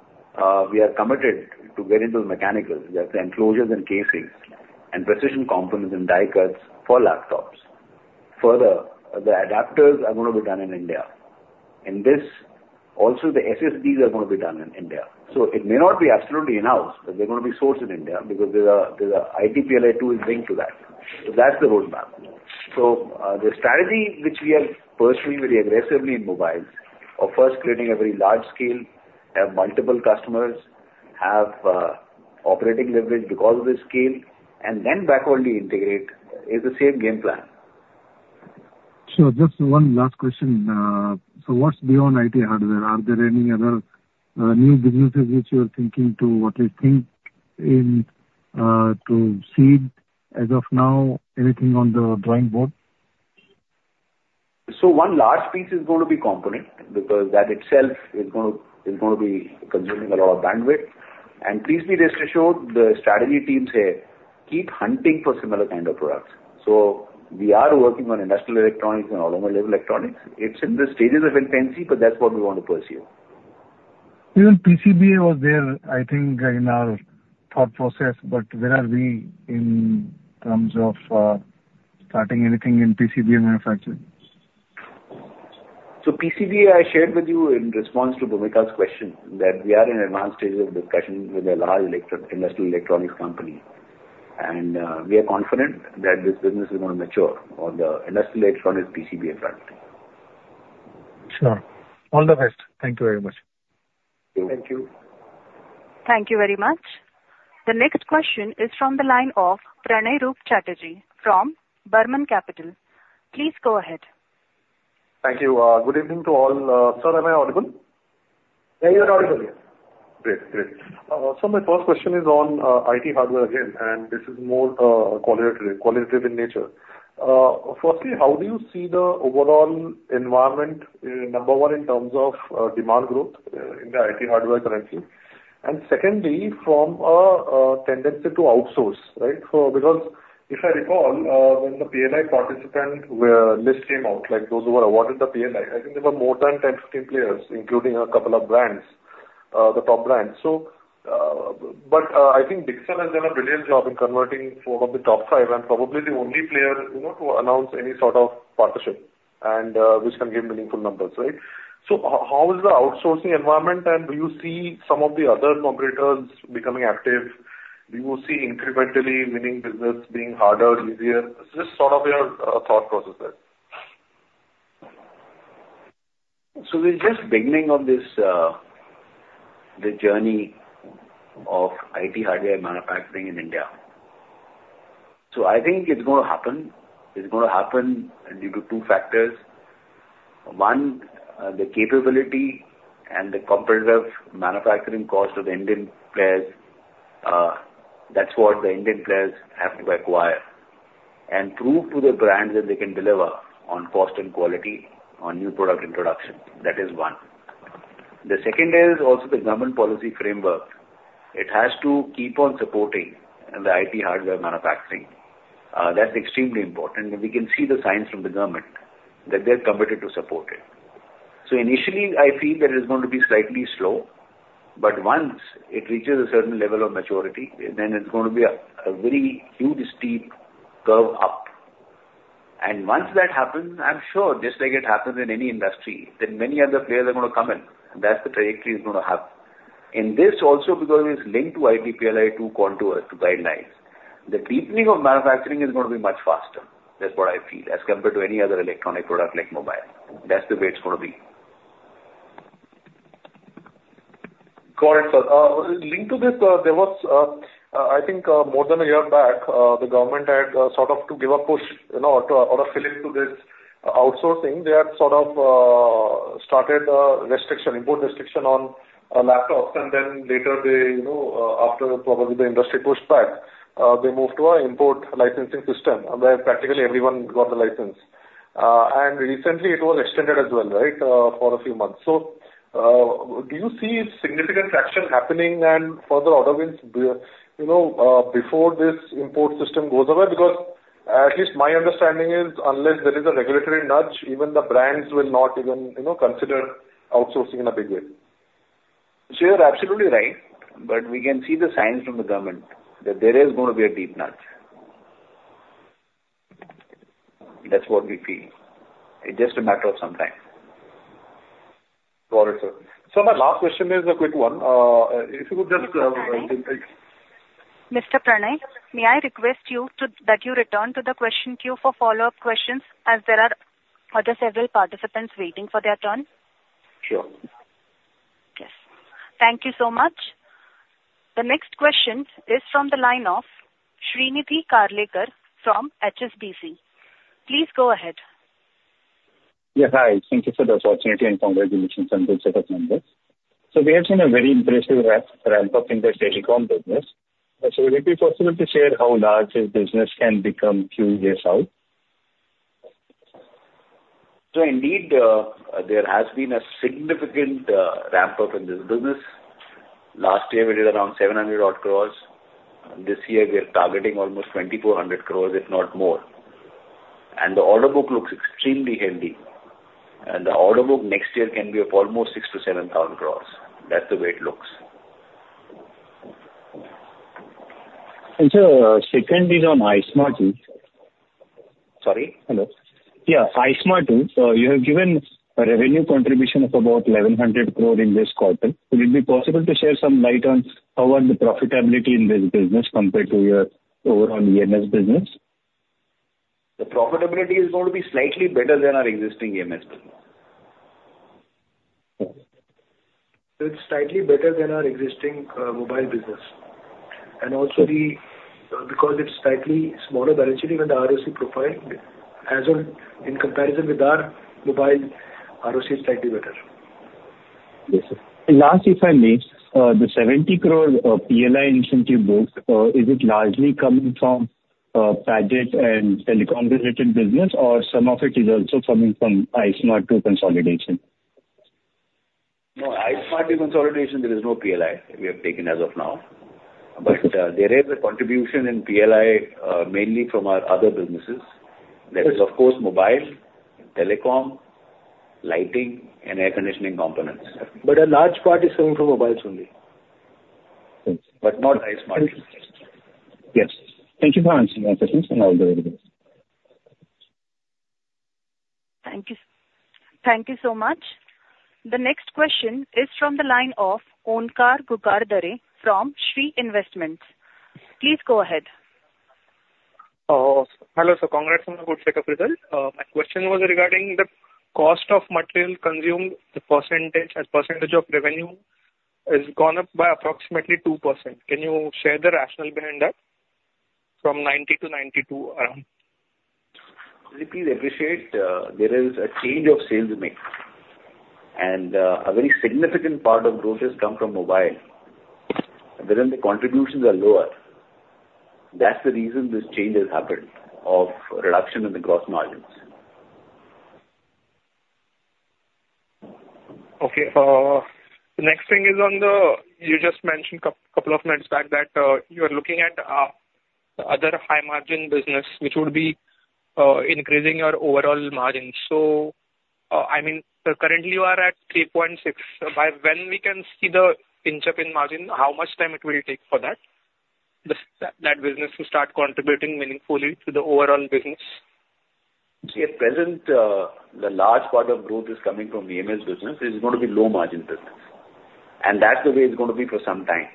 we are committed to get into the mechanicals, that's the enclosures and casings and precision components and die cuts for laptops. Further, the adapters are going to be done in India, and also the SSDs are going to be done in India. So, it may not be absolutely in-house, but they're going to be sourced in India because there's a PLI tool linked to that. So that's the roadmap. So, the strategy which we are pursuing very aggressively in mobiles, of first creating a very large scale, have multiple customers, have operating leverage because of the scale, and then backward integrate, is the same game plan. Sure. Just one last question. So what's beyond IT hardware? Are there any other, new businesses which you are thinking to, what you think in, to seed? As of now, anything on the drawing board? So, one large piece is going to be component, because that itself is gonna be consuming a lot of bandwidth. And please be rest assured, the strategy teams here keep hunting for similar kind of products. So, we are working on industrial electronics and automotive electronics. It's in the stages of infancy, but that's what we want to pursue. Even PCBA was there, I think, in our thought process, but where are we in terms of starting anything in PCBA manufacturing? PCBA, I shared with you in response to Bhoomika's question, that we are in advanced stages of discussion with a large electric industrial electronics company, and we are confident that this business is going to mature on the industrial electronics PCBA front. Sure. All the best. Thank you very much. Thank you. Thank you very much. The next question is from the line of Pranay Roop Chatterjee from Burman Capital. Please go ahead. Thank you. Good evening to all. Sir, am I audible? Yeah, you are audible. Yeah. Great. Great. So, my first question is on IT hardware again, and this is more qualitative in nature. Firstly, how do you see the overall environment, number one, in terms of demand growth in the IT hardware currently? And secondly, from a tendency to outsource, right? So, because if I recall, when the PLI participant list came out, like, those who were awarded the PLI, I think there were more than 10, 15 players, including a couple of brands, the top brands. So. But I think Dixon has done a brilliant job in converting four of the top five, and probably the only player, you know, to announce any sort of partnership and which can give meaningful numbers, right? So how is the outsourcing environment, and do you see some of the other operators becoming active? Do you see incrementally winning business being harder, easier? Just sort of your thought process there. So, we're just beginning on this, the journey of IT hardware manufacturing in India. I think it's going to happen. It's going to happen due to two factors. One, the capability and the competitive manufacturing cost of the Indian players, that's what the Indian players have to acquire, and prove to the brands that they can deliver on cost and quality, on new product introduction. That is one. The second is also the government policy framework. It has to keep on supporting the IT hardware manufacturing. That's extremely important, and we can see the signs from the government that they're committed to support it. So initially, I feel that it's going to be slightly slow, but once it reaches a certain level of maturity, then it's going to be a very huge, steep curve up. And once that happens, I'm sure, just like it happens in any industry, then many other players are going to come in, and that's the trajectory it's going to have. And this also because it is linked to PLI 2.0 contours to guidelines. The deepening of manufacturing is going to be much faster. That's what I feel, as compared to any other electronic product like mobile. That's the way it's going to be. Got it, sir. Linked to this, there was, I think, more than a year back, the government had sort of to give a push, you know, to, or a fillip to this outsourcing. They had sort of started a restriction, import restriction on laptops, and then later they, you know, after probably the industry pushed back, they moved to an import licensing system, and then practically everyone got the license. And recently it was extended as well, right, for a few months. So, do you see significant traction happening and further order wins, you know, before this import system goes away? Because at least my understanding is, unless there is a regulatory nudge, even the brands will not even, you know, consider outsourcing in a big way. So, you're absolutely right, but we can see the signs from the government that there is going to be a deep nudge. That's what we feel. It's just a matter of some time. Got it, sir. So, my last question is a quick one. If you could just, Mr. Pranay, Mr. Pranay, may I request you to, that you return to the question queue for follow-up questions, as there are other several participants waiting for their turn? Sure. Yes. Thank you so much. The next question is from the line of Shrinidhi Karlekar from HSBC. Please go ahead. Yeah, hi. Thank you for the opportunity, and congratulations on the set of numbers. So, we have seen a very impressive ramp up in this telecom business. So, would it be possible to share how large this business can become few years out? Indeed, there has been a significant ramp-up in this business. Last year, we did around 700 odd crores. This year, we are targeting almost 2400 crores, if not more. And the order book looks extremely healthy, and the order book next year can be up almost 6-7 thousand crores. That's the way it looks.... And so, second is on iSmartU. Sorry? Hello. Yeah, iSmartu. You have given a revenue contribution of about 1,100 crore in this quarter. Will it be possible to share some light on how are the profitability in this business compared to your overall EMS business? The profitability is going to be slightly better than our existing EMS business. It's slightly better than our existing mobile business. And also, because it's slightly smaller balancing and the ROC profile, as of in comparison with our mobile, ROC is slightly better. Yes, sir, and last, if I may, the 70 crore INR of PLI incentive book, is it largely coming from IT and telecom related business, or some of it is also coming from iSmartU through consolidation? No, iSmartU through consolidation, there is no PLI we have taken as of now. But, there is a contribution in PLI, mainly from our other businesses. Yes. There is, of course, mobile, telecom, lighting, and air conditioning components. But a large part is coming from mobiles only. But not iSmartU. Yes. Thank you for answering my questions, and I'll be very good. Thank you. Thank you so much. The next question is from the line of Omkar Ghugardare from Shree Investments. Please go ahead. Hello, sir. Congrats on the good second result. My question was regarding the cost of material consumed. The percentage, as percentage of revenue has gone up by approximately 2%. Can you share the rationale behind that, from 90% to 92%, around? Please appreciate, there is a change of sales mix, and a very significant part of growth has come from mobile, wherein the contributions are lower. That's the reason this change has happened, of reduction in the gross margins. Okay. The next thing is on the... You just mentioned a couple of minutes back that you are looking at other high margin business, which would be increasing your overall margin. So, I mean, so currently you are at three point six. By when can we see the pick-up in margin, how much time will it take for that business to start contributing meaningfully to the overall business? At present, the large part of growth is coming from the EMS business. It's going to be low margin business. And that's the way it's going to be for some time,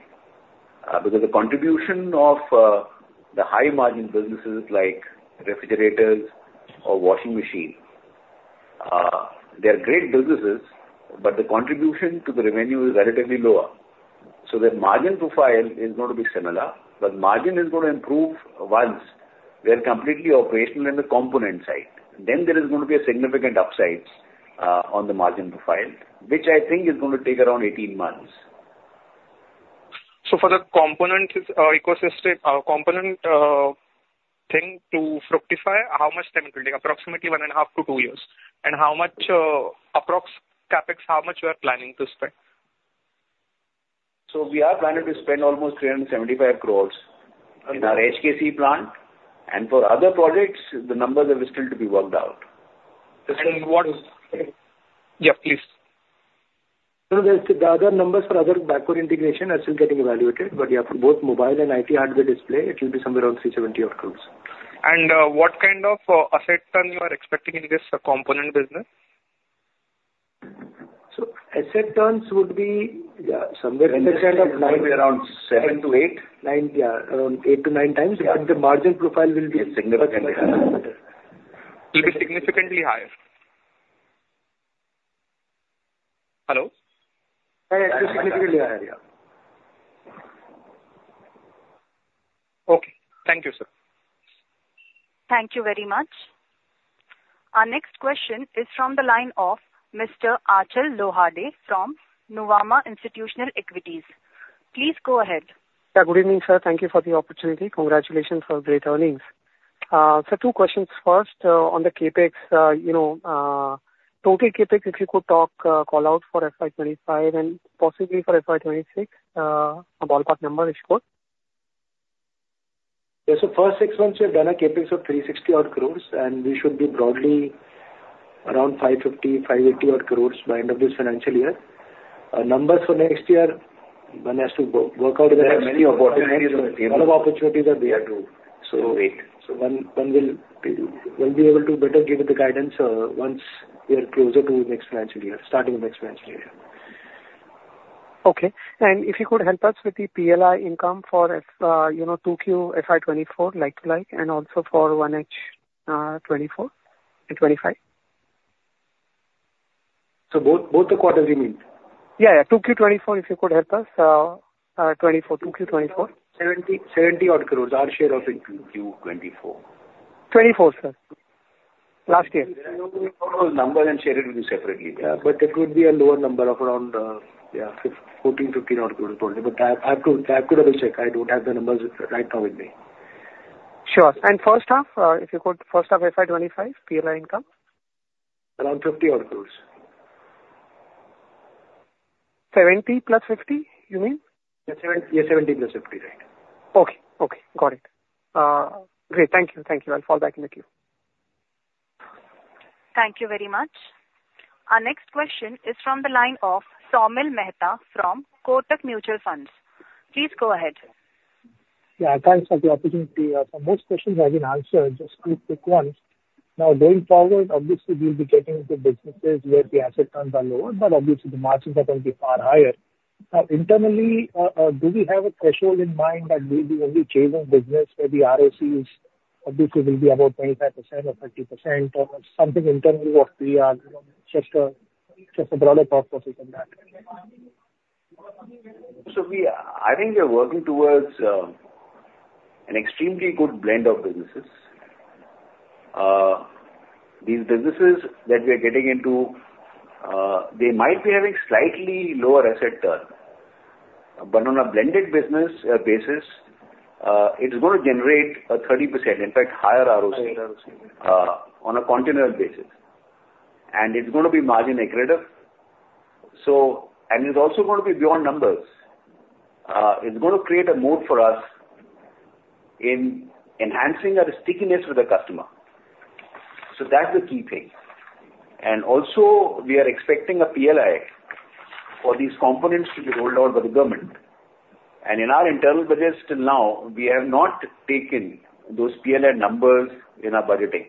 because the contribution of the high margin businesses like refrigerators or washing machines, they're great businesses, but the contribution to the revenue is relatively lower. So, the margin profile is going to be similar, but margin is going to improve once we are completely operational in the component side. Then there is going to be a significant upside on the margin profile, which I think is going to take around eighteen months. So, for the component ecosystem thing to fructify, how much time it will take? Approximately one and a half to two years. And how much approx CapEx, how much you are planning to spend? So we are planning to spend almost 375 crores in our HKC plant, and for other projects, the numbers are still to be worked out. And what is... Yeah, please. No, the other numbers for other backward integration are still getting evaluated, but yeah, for both mobile and IT hardware display, it will be somewhere around 370-odd crores. What kind of asset turn you are expecting in this component business? So, asset turns would be, yeah, somewhere in the kind of line. Around 7-8. 9, yeah, around 8-9 times. Yeah. But the margin profile will be- Significantly higher. Will be significantly higher. Hello? Significantly higher, yeah. Okay. Thank you, sir. Thank you very much. Our next question is from the line of Mr. Achal Lohade from Nuvama Institutional Equities. Please go ahead. Yeah, good evening, sir. Thank you for the opportunity. Congratulations for great earnings. So, two questions, first, on the CapEx, you know, total CapEx, if you could talk, call out for FY 25 and possibly for FY 26, a ballpark number is good. Yeah, so first six months, we've done a CapEx of 360 odd crores, and we should be broadly around 550-580 odd crores by end of this financial year. Our numbers for next year, one has to work out the- Many opportunities. A lot of opportunities are there to... So, wait. So one will be able to better give you the guidance once we are closer to next financial year, starting next financial year. Okay. And if you could help us with the PLI income for FY, you know, 2Q, FY24, like to like, and also for 1H, 24 and 25? So, both the quarters you mean? Yeah, yeah, 2Q 2024, if you could help us. 70, 70-odd crores, our share of it in Q24. 24, sir. Last year. Numbers and share it with you separately. Yeah, but it would be a lower number of around 14-15 odd crore, but I have to double-check. I don't have the numbers right now with me. Sure. And first half, if you could, first half FY 2025, PLI income? Around 50 odd crores. 70 plus 50, you mean? Yeah, 70 plus 50, right. Okay. Okay, got it. Great. Thank you. Thank you. I'll fall back in the queue. ... Thank you very much. Our next question is from the line of Saumil Mehta from Kotak Mutual Funds. Please go ahead. Yeah, thanks for the opportunity. Most questions have been answered, just two quick ones. Now, going forward, obviously, we'll be getting into businesses where the asset turns are lower, but obviously the margins are going to be far higher. Now, internally, do we have a threshold in mind that we'll be only chasing business where the ROC is obviously will be about 25% or 30% or something internally of we are, just a broader thought process on that? We are, I think, working towards an extremely good blend of businesses. These businesses that we are getting into, they might be having slightly lower asset turn, but on a blended business basis, it's going to generate a 30%, in fact, higher ROC on a continual basis. And it's going to be margin accretive. So, and it's also going to be beyond numbers. It's going to create a moat for us in enhancing our stickiness with the customer. So that's the key thing. And also, we are expecting a PLI for these components to be rolled out by the government. And in our internal budgets till now, we have not taken those PLI numbers in our budgeting,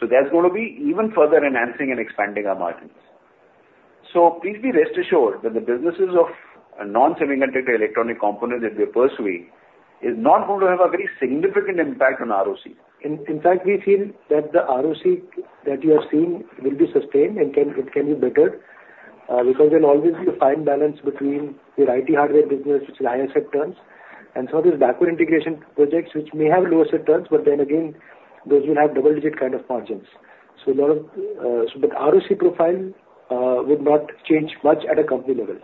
so there's going to be even further enhancing and expanding our margins. Please be rest assured that the businesses of a non-semiconductor electronic component that we pursue is not going to have a very significant impact on ROCE. In fact, we feel that the ROC that you are seeing will be sustained and it can be better because there'll always be a fine balance between your IT hardware business, which has higher asset turns, and some of these backward integration projects which may have lower asset turns, but then again, those will have double-digit kind of margins. So, a lot of the ROC profile would not change much at a company level.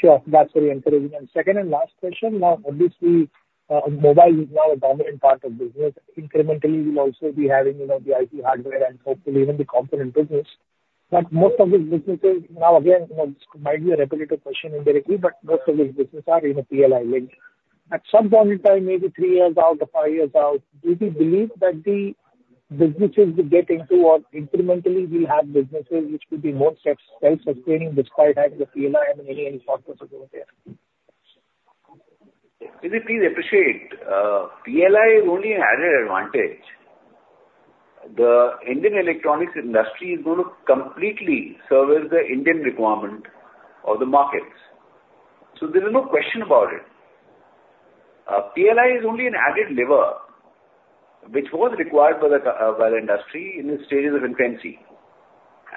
Sure. That's very encouraging. And second and last question, now, obviously, mobile is now a dominant part of business. Incrementally, we'll also be having, you know, the IT hardware and hopefully even the component business. But most of these businesses, now, again, you know, this might be a repetitive question indirectly, but most of these businesses are, you know, PLI linked. At some point in time, maybe three years out or five years out, do we believe that the businesses we get into or incrementally will have businesses which could be more self-sustaining, despite having the PLI and any importance over there? See, please appreciate, PLI is only an added advantage. The Indian electronics industry is going to completely service the Indian requirement of the markets, so there is no question about it. PLI is only an added lever, which was required by the industry in its stages of infancy.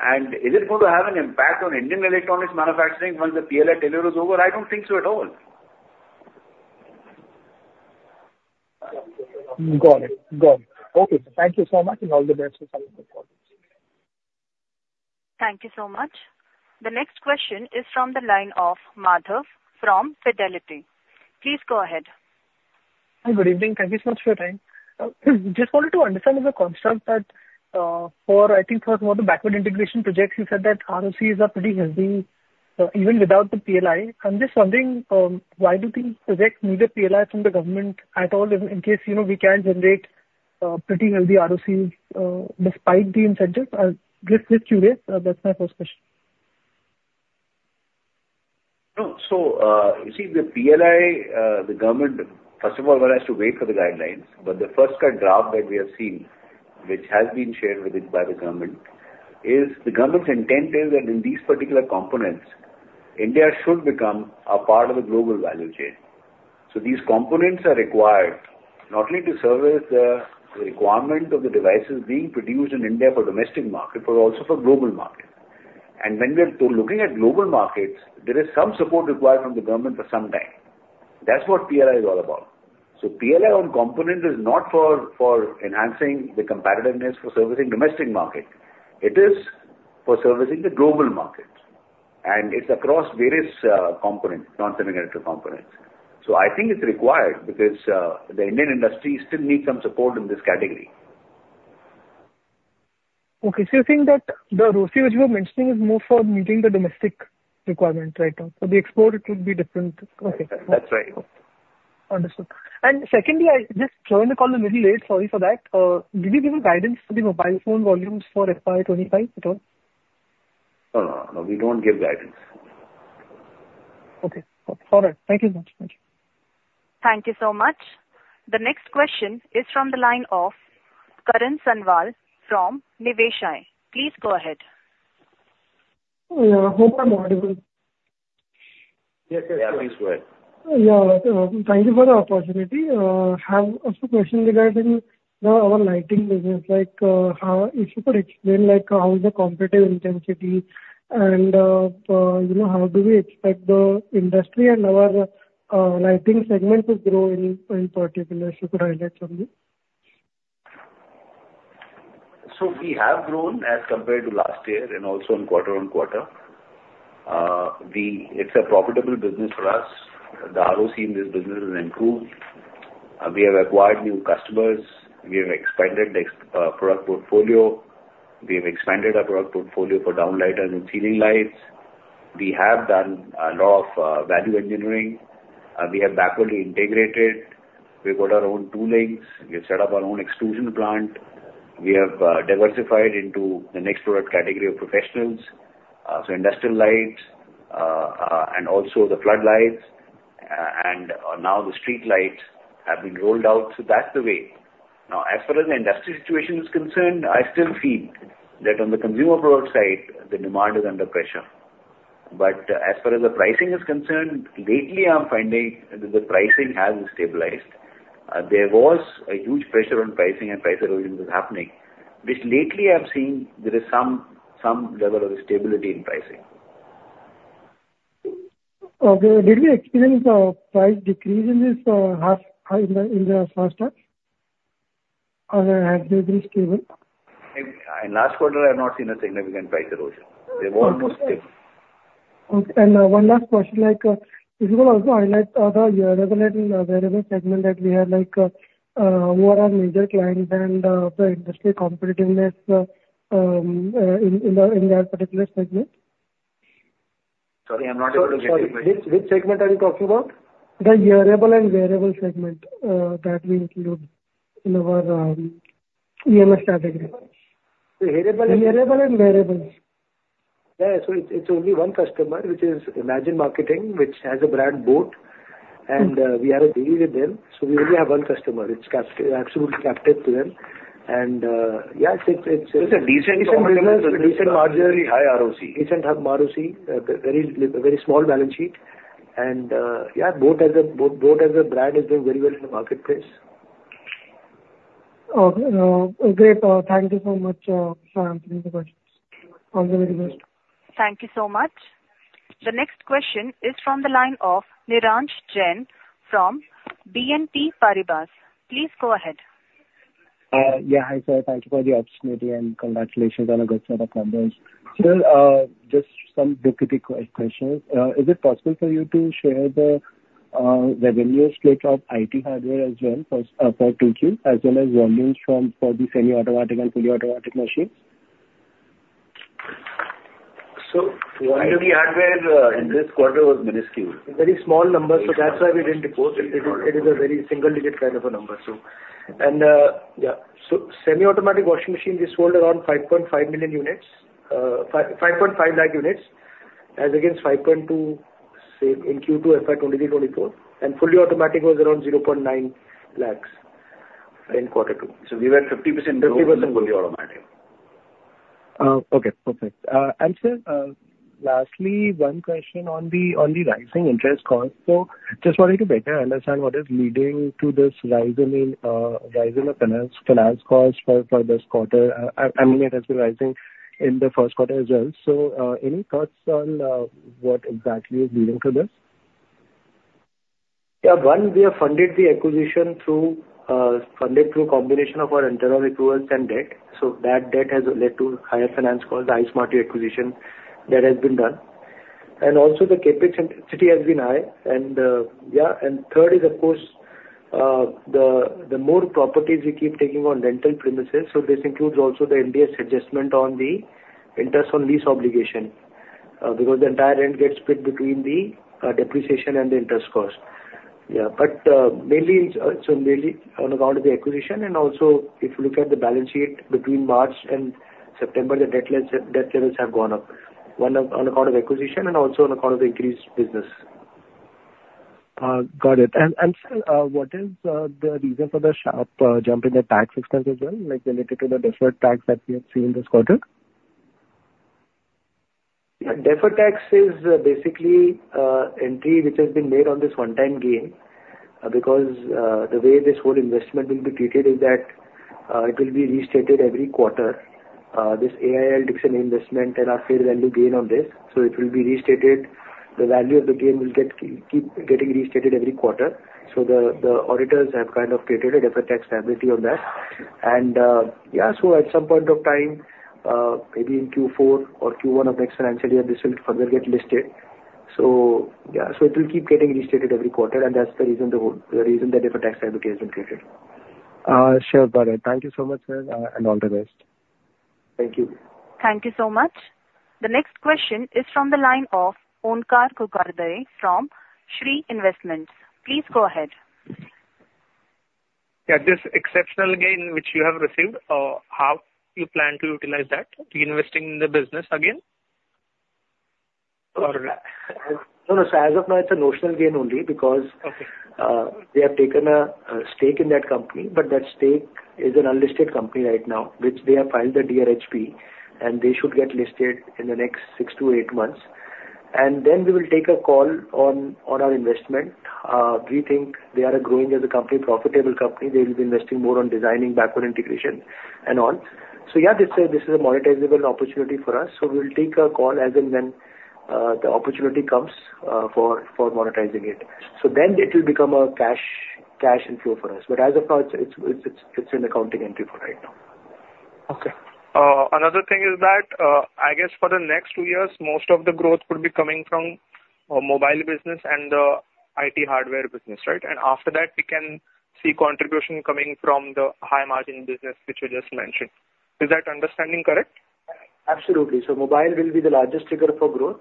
And is it going to have an impact on Indian electronics manufacturing once the PLI tenure is over? I don't think so at all. Got it. Got it. Okay, thank you so much, and all the best for the quarter. Thank you so much. The next question is from the line of Madhav from Fidelity. Please go ahead. Hi, good evening. Thank you so much for your time. Just wanted to understand as a concept that, for I think for more the backward integration projects, you said that ROCs are pretty healthy, even without the PLI. I'm just wondering, why do these projects need a PLI from the government at all, in, in case, you know, we can generate, pretty healthy ROC, despite the incentives? I'll just with you, that's my first question. No, so you see the PLI, the government, first of all, one has to wait for the guidelines, but the first kind of draft that we have seen, which has been shared with it by the government, is the government's intent is that in these particular components, India should become a part of the global value chain. So these components are required not only to service the requirement of the devices being produced in India for domestic market, but also for global market. And when we are looking at global markets, there is some support required from the government for some time. That's what PLI is all about. So PLI on component is not for enhancing the competitiveness for servicing domestic market. It is for servicing the global market, and it's across various components, non-semiconductor components. So I think it's required because the Indian industry still needs some support in this category. Okay, so you're saying that the ROC which you are mentioning is more for meeting the domestic requirement right now, for the export it will be different. Okay. That's right. Understood. And secondly, I just joined the call a little late. Sorry for that. Did you give a guidance for the mobile phone volumes for FY twenty-five at all? No, no, no, we don't give guidance. Okay. All right. Thank you much. Thank you. Thank you so much. The next question is from the line of Karan Sanwal from Niveshaay. Please go ahead. Yeah. Hope you are audible. Yes, yes, please go ahead. Yeah, thank you for the opportunity. I have a few questions regarding our lighting business, like, how... If you could explain, like, how is the competitive intensity and, you know, how do we expect the industry and our lighting segment to grow in particular, if you could highlight on this? We have grown as compared to last year and also in quarter on quarter. It's a profitable business for us. The ROC in this business has improved. We have acquired new customers. We've expanded our product portfolio for downlight and ceiling lights. We have done a lot of value engineering. We have backward integrated. We've got our own toolings. We've set up our own extrusion plant. We have diversified into the next product category of professionals: industrial lights, and also the floodlights, and now the streetlights have been rolled out, so that's the way. Now, as far as the industry situation is concerned, I still feel that on the consumer product side, the demand is under pressure. But as far as the pricing is concerned, lately I'm finding that the pricing has stabilized. There was a huge pressure on pricing, and price erosion was happening, which lately I've seen there is some level of stability in pricing. Okay. Did we experience a price decrease in this half in the first half, or has it been stable? In last quarter, I've not seen a significant price erosion. They've all been stable. Okay. And, one last question, like, if you could also highlight the wearables and hearables segment that we have, like, who are our major clients and the industry competitiveness in that particular segment? Sorry, I'm not able to get you. Sorry. Which segment are you talking about? The wearables and hearables segment that we include in our EMS category. The hearables and- Wearables and hearables. Yeah, so it's only one customer, which is Imagine Marketing, which has a brand, boAt, and we have a deal with them. So, we only have one customer. It's absolutely captive to them. And yeah, it's. It's a decent margin, high ROCE. We have decent ROCE. Very, very small balance sheet. Yeah, boAt as a brand is doing very well in the marketplace. Okay, great. Thank you so much for answering the questions. All the very best. Thank you so much. The next question is from the line of Niransh Jain from BNP Paribas. Please go ahead. Yeah, hi, sir. Thank you for the opportunity, and congratulations on a good set of numbers. So, just some duplicate questions. Is it possible for you to share the revenue split of IT hardware as well for Q2, as well as volumes from for the semi-automatic and fully automatic machines? So, the IT hardware in this quarter was minuscule. Very small numbers, so that's why we didn't report it. It is, it is a very single-digit kind of a number. Semi-automatic washing machines, we sold around 5.5 million units, 5.5 lakh units, as against 5.2, say, in Q2 FY 2023-2024, and fully automatic was around 0.9 lakhs in Quarter Two. So, we were 50%- Fifty percent... fully automatic. Okay. Perfect. Sir, lastly, one question on the rising interest cost. So just wanted to better understand what is leading to this rise in the finance cost for this quarter. I mean, it has been rising in the first quarter as well. So, any thoughts on what exactly is leading to this? Yeah. One, we have funded the acquisition through a combination of our internal accruals and debt. So that debt has led to higher finance costs, the iSmartu acquisition that has been done. And also, the CapEx intensity has been high, and yeah, and third is, of course, the more properties we keep taking on rental premises, so this includes also the Ind AS adjustment on the interest on lease obligation, because the entire rent gets split between the depreciation and the interest cost. Yeah, but mainly, it's so mainly on account of the acquisition and also if you look at the balance sheet between March and September, the debt levels have gone up. One, on account of acquisition and also on account of increased business. Got it. Sir, what is the reason for the sharp jump in the tax expense as well, like related to the deferred tax that we have seen this quarter? Deferred tax is, basically, entry which has been made on this one-time gain, because the way this whole investment will be treated is that it will be restated every quarter. This AIL takes an investment and our fair value gain on this, so it will be restated. The value of the gain will get, keep getting restated every quarter. So, the auditors have kind of created a deferred tax liability on that. And, yeah, so at some point of time, maybe in Q4 or Q1 of next financial year, this will further get listed. So yeah, so it will keep getting restated every quarter, and that's the reason the deferred tax liability has been created. Sure, about it. Thank you so much, sir, and all the best. Thank you. Thank you so much. The next question is from the line of Omkar Ghugadare from Shree Investments. Please go ahead. Yeah, this exceptional gain which you have received, how you plan to utilize that? Reinvesting in the business again, or... No, no, so as of now, it's a notional gain only because- Okay. They have taken a stake in that company, but that stake is an unlisted company right now, which they have filed the DRHP, and they should get listed in the next six to eight months. And then we will take a call on our investment. We think they are growing as a company, profitable company. They will be investing more on designing, backward integration, and on. So yeah, this is a monetizable opportunity for us, so we'll take a call as and when the opportunity comes for monetizing it. So then it will become a cash inflow for us. But as of now, it's an accounting entry for right now. Okay. Another thing is that, I guess for the next two years, most of the growth would be coming from, mobile business and the IT hardware business, right? And after that, we can see contribution coming from the high-margin business, which you just mentioned. Is that understanding, correct?... Absolutely. So mobile will be the largest trigger for growth.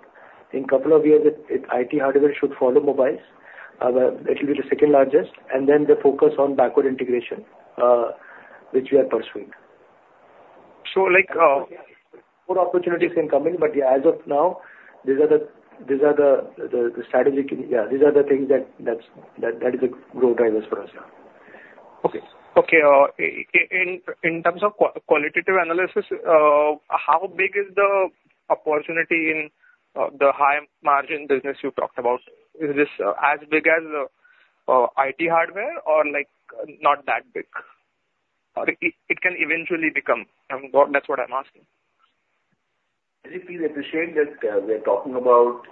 In couple of years, IT hardware should follow mobiles. It should be the second largest, and then the focus on backward integration, which we are pursuing. So, like More opportunities can come in, but yeah, as of now, these are the strategic things, that's the growth drivers for us. Yeah. Okay. Okay, in terms of qualitative analysis, how big is the opportunity in the high margin business you talked about? Is this as big as the IT hardware or, like, not that big? Or it can eventually become, that's what I'm asking. Please appreciate that, we are talking about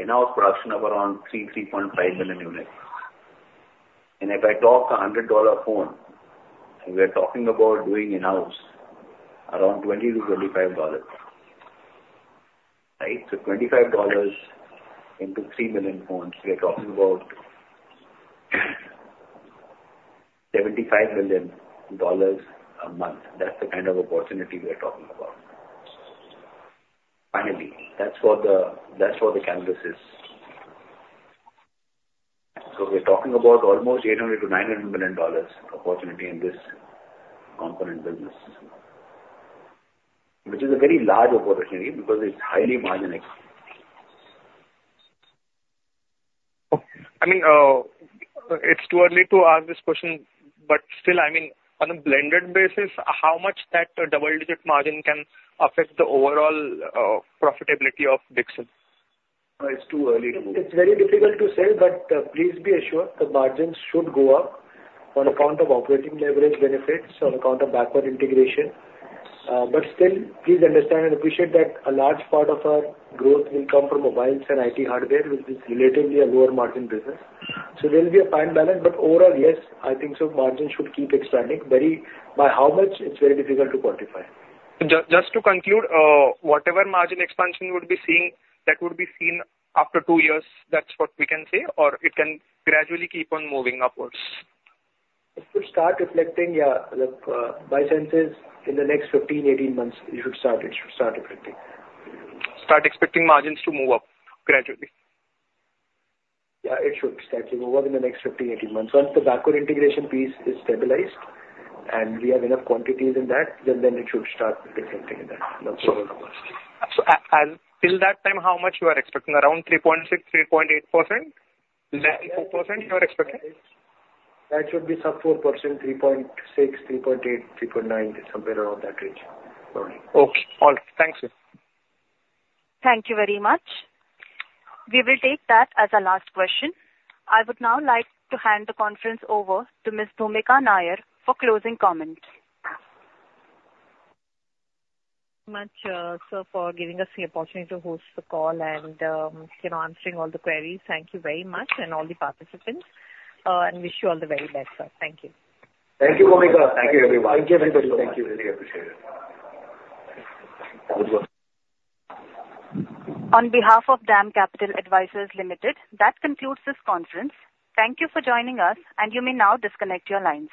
in-house production of around 3-3.5 million units. And if I talk $100 phone, and we are talking about doing in-house around $20-$25, right? So $25 into 3 million phones, we are talking about $75 million a month. That's the kind of opportunity we are talking about. Finally, that's what the, that's what the canvas is. So we're talking about almost $800-$900 million opportunity in this component business, which is a very large opportunity because it's highly marginic. Okay. I mean, it's too early to ask this question, but still, I mean, on a blended basis, how much that double-digit margin can affect the overall profitability of Dixon? It's too early. It's very difficult to say, but please be assured the margins should go up on account of operating leverage benefits, on account of backward integration, but still, please understand and appreciate that a large part of our growth will come from mobiles and IT hardware, which is relatively a lower margin business. So, there will be a fine balance, but overall, yes, I think so margin should keep expanding. Very... By how much? It's very difficult to quantify. Just to conclude, whatever margin expansion we'll be seeing, that would be seen after two years. That's what we can say, or it can gradually keep on moving upwards? It should start reflecting, yeah, by businesses in the next 15-18 months. It should start reflecting. Start expecting margins to move up gradually? Yeah, it should start to move up in the next 15-18 months. Once the backward integration piece is stabilized and we have enough quantities in that, then it should start reflecting in the numbers. And till that time, how much you are expecting? Around 3.6%-3.8%? 4% you are expecting? That should be sub-4%, 3.6%, 3.8%, 3.9%, somewhere around that range. Probably. Okay. All right. Thank you. Thank you very much. We will take that as our last question. I would now like to hand the conference over to Ms. Bhoomika Nair for closing comments. Much, sir, for giving us the opportunity to host the call and, you know, answering all the queries. Thank you very much and all the participants, and wish you all the very best, sir. Thank you. Thank you, Bhoomika. Thank you, everyone. Thank you very much. Thank you. Really appreciate it. On behalf of DAM Capital Advisors Limited, that concludes this conference. Thank you for joining us, and you may now disconnect your lines.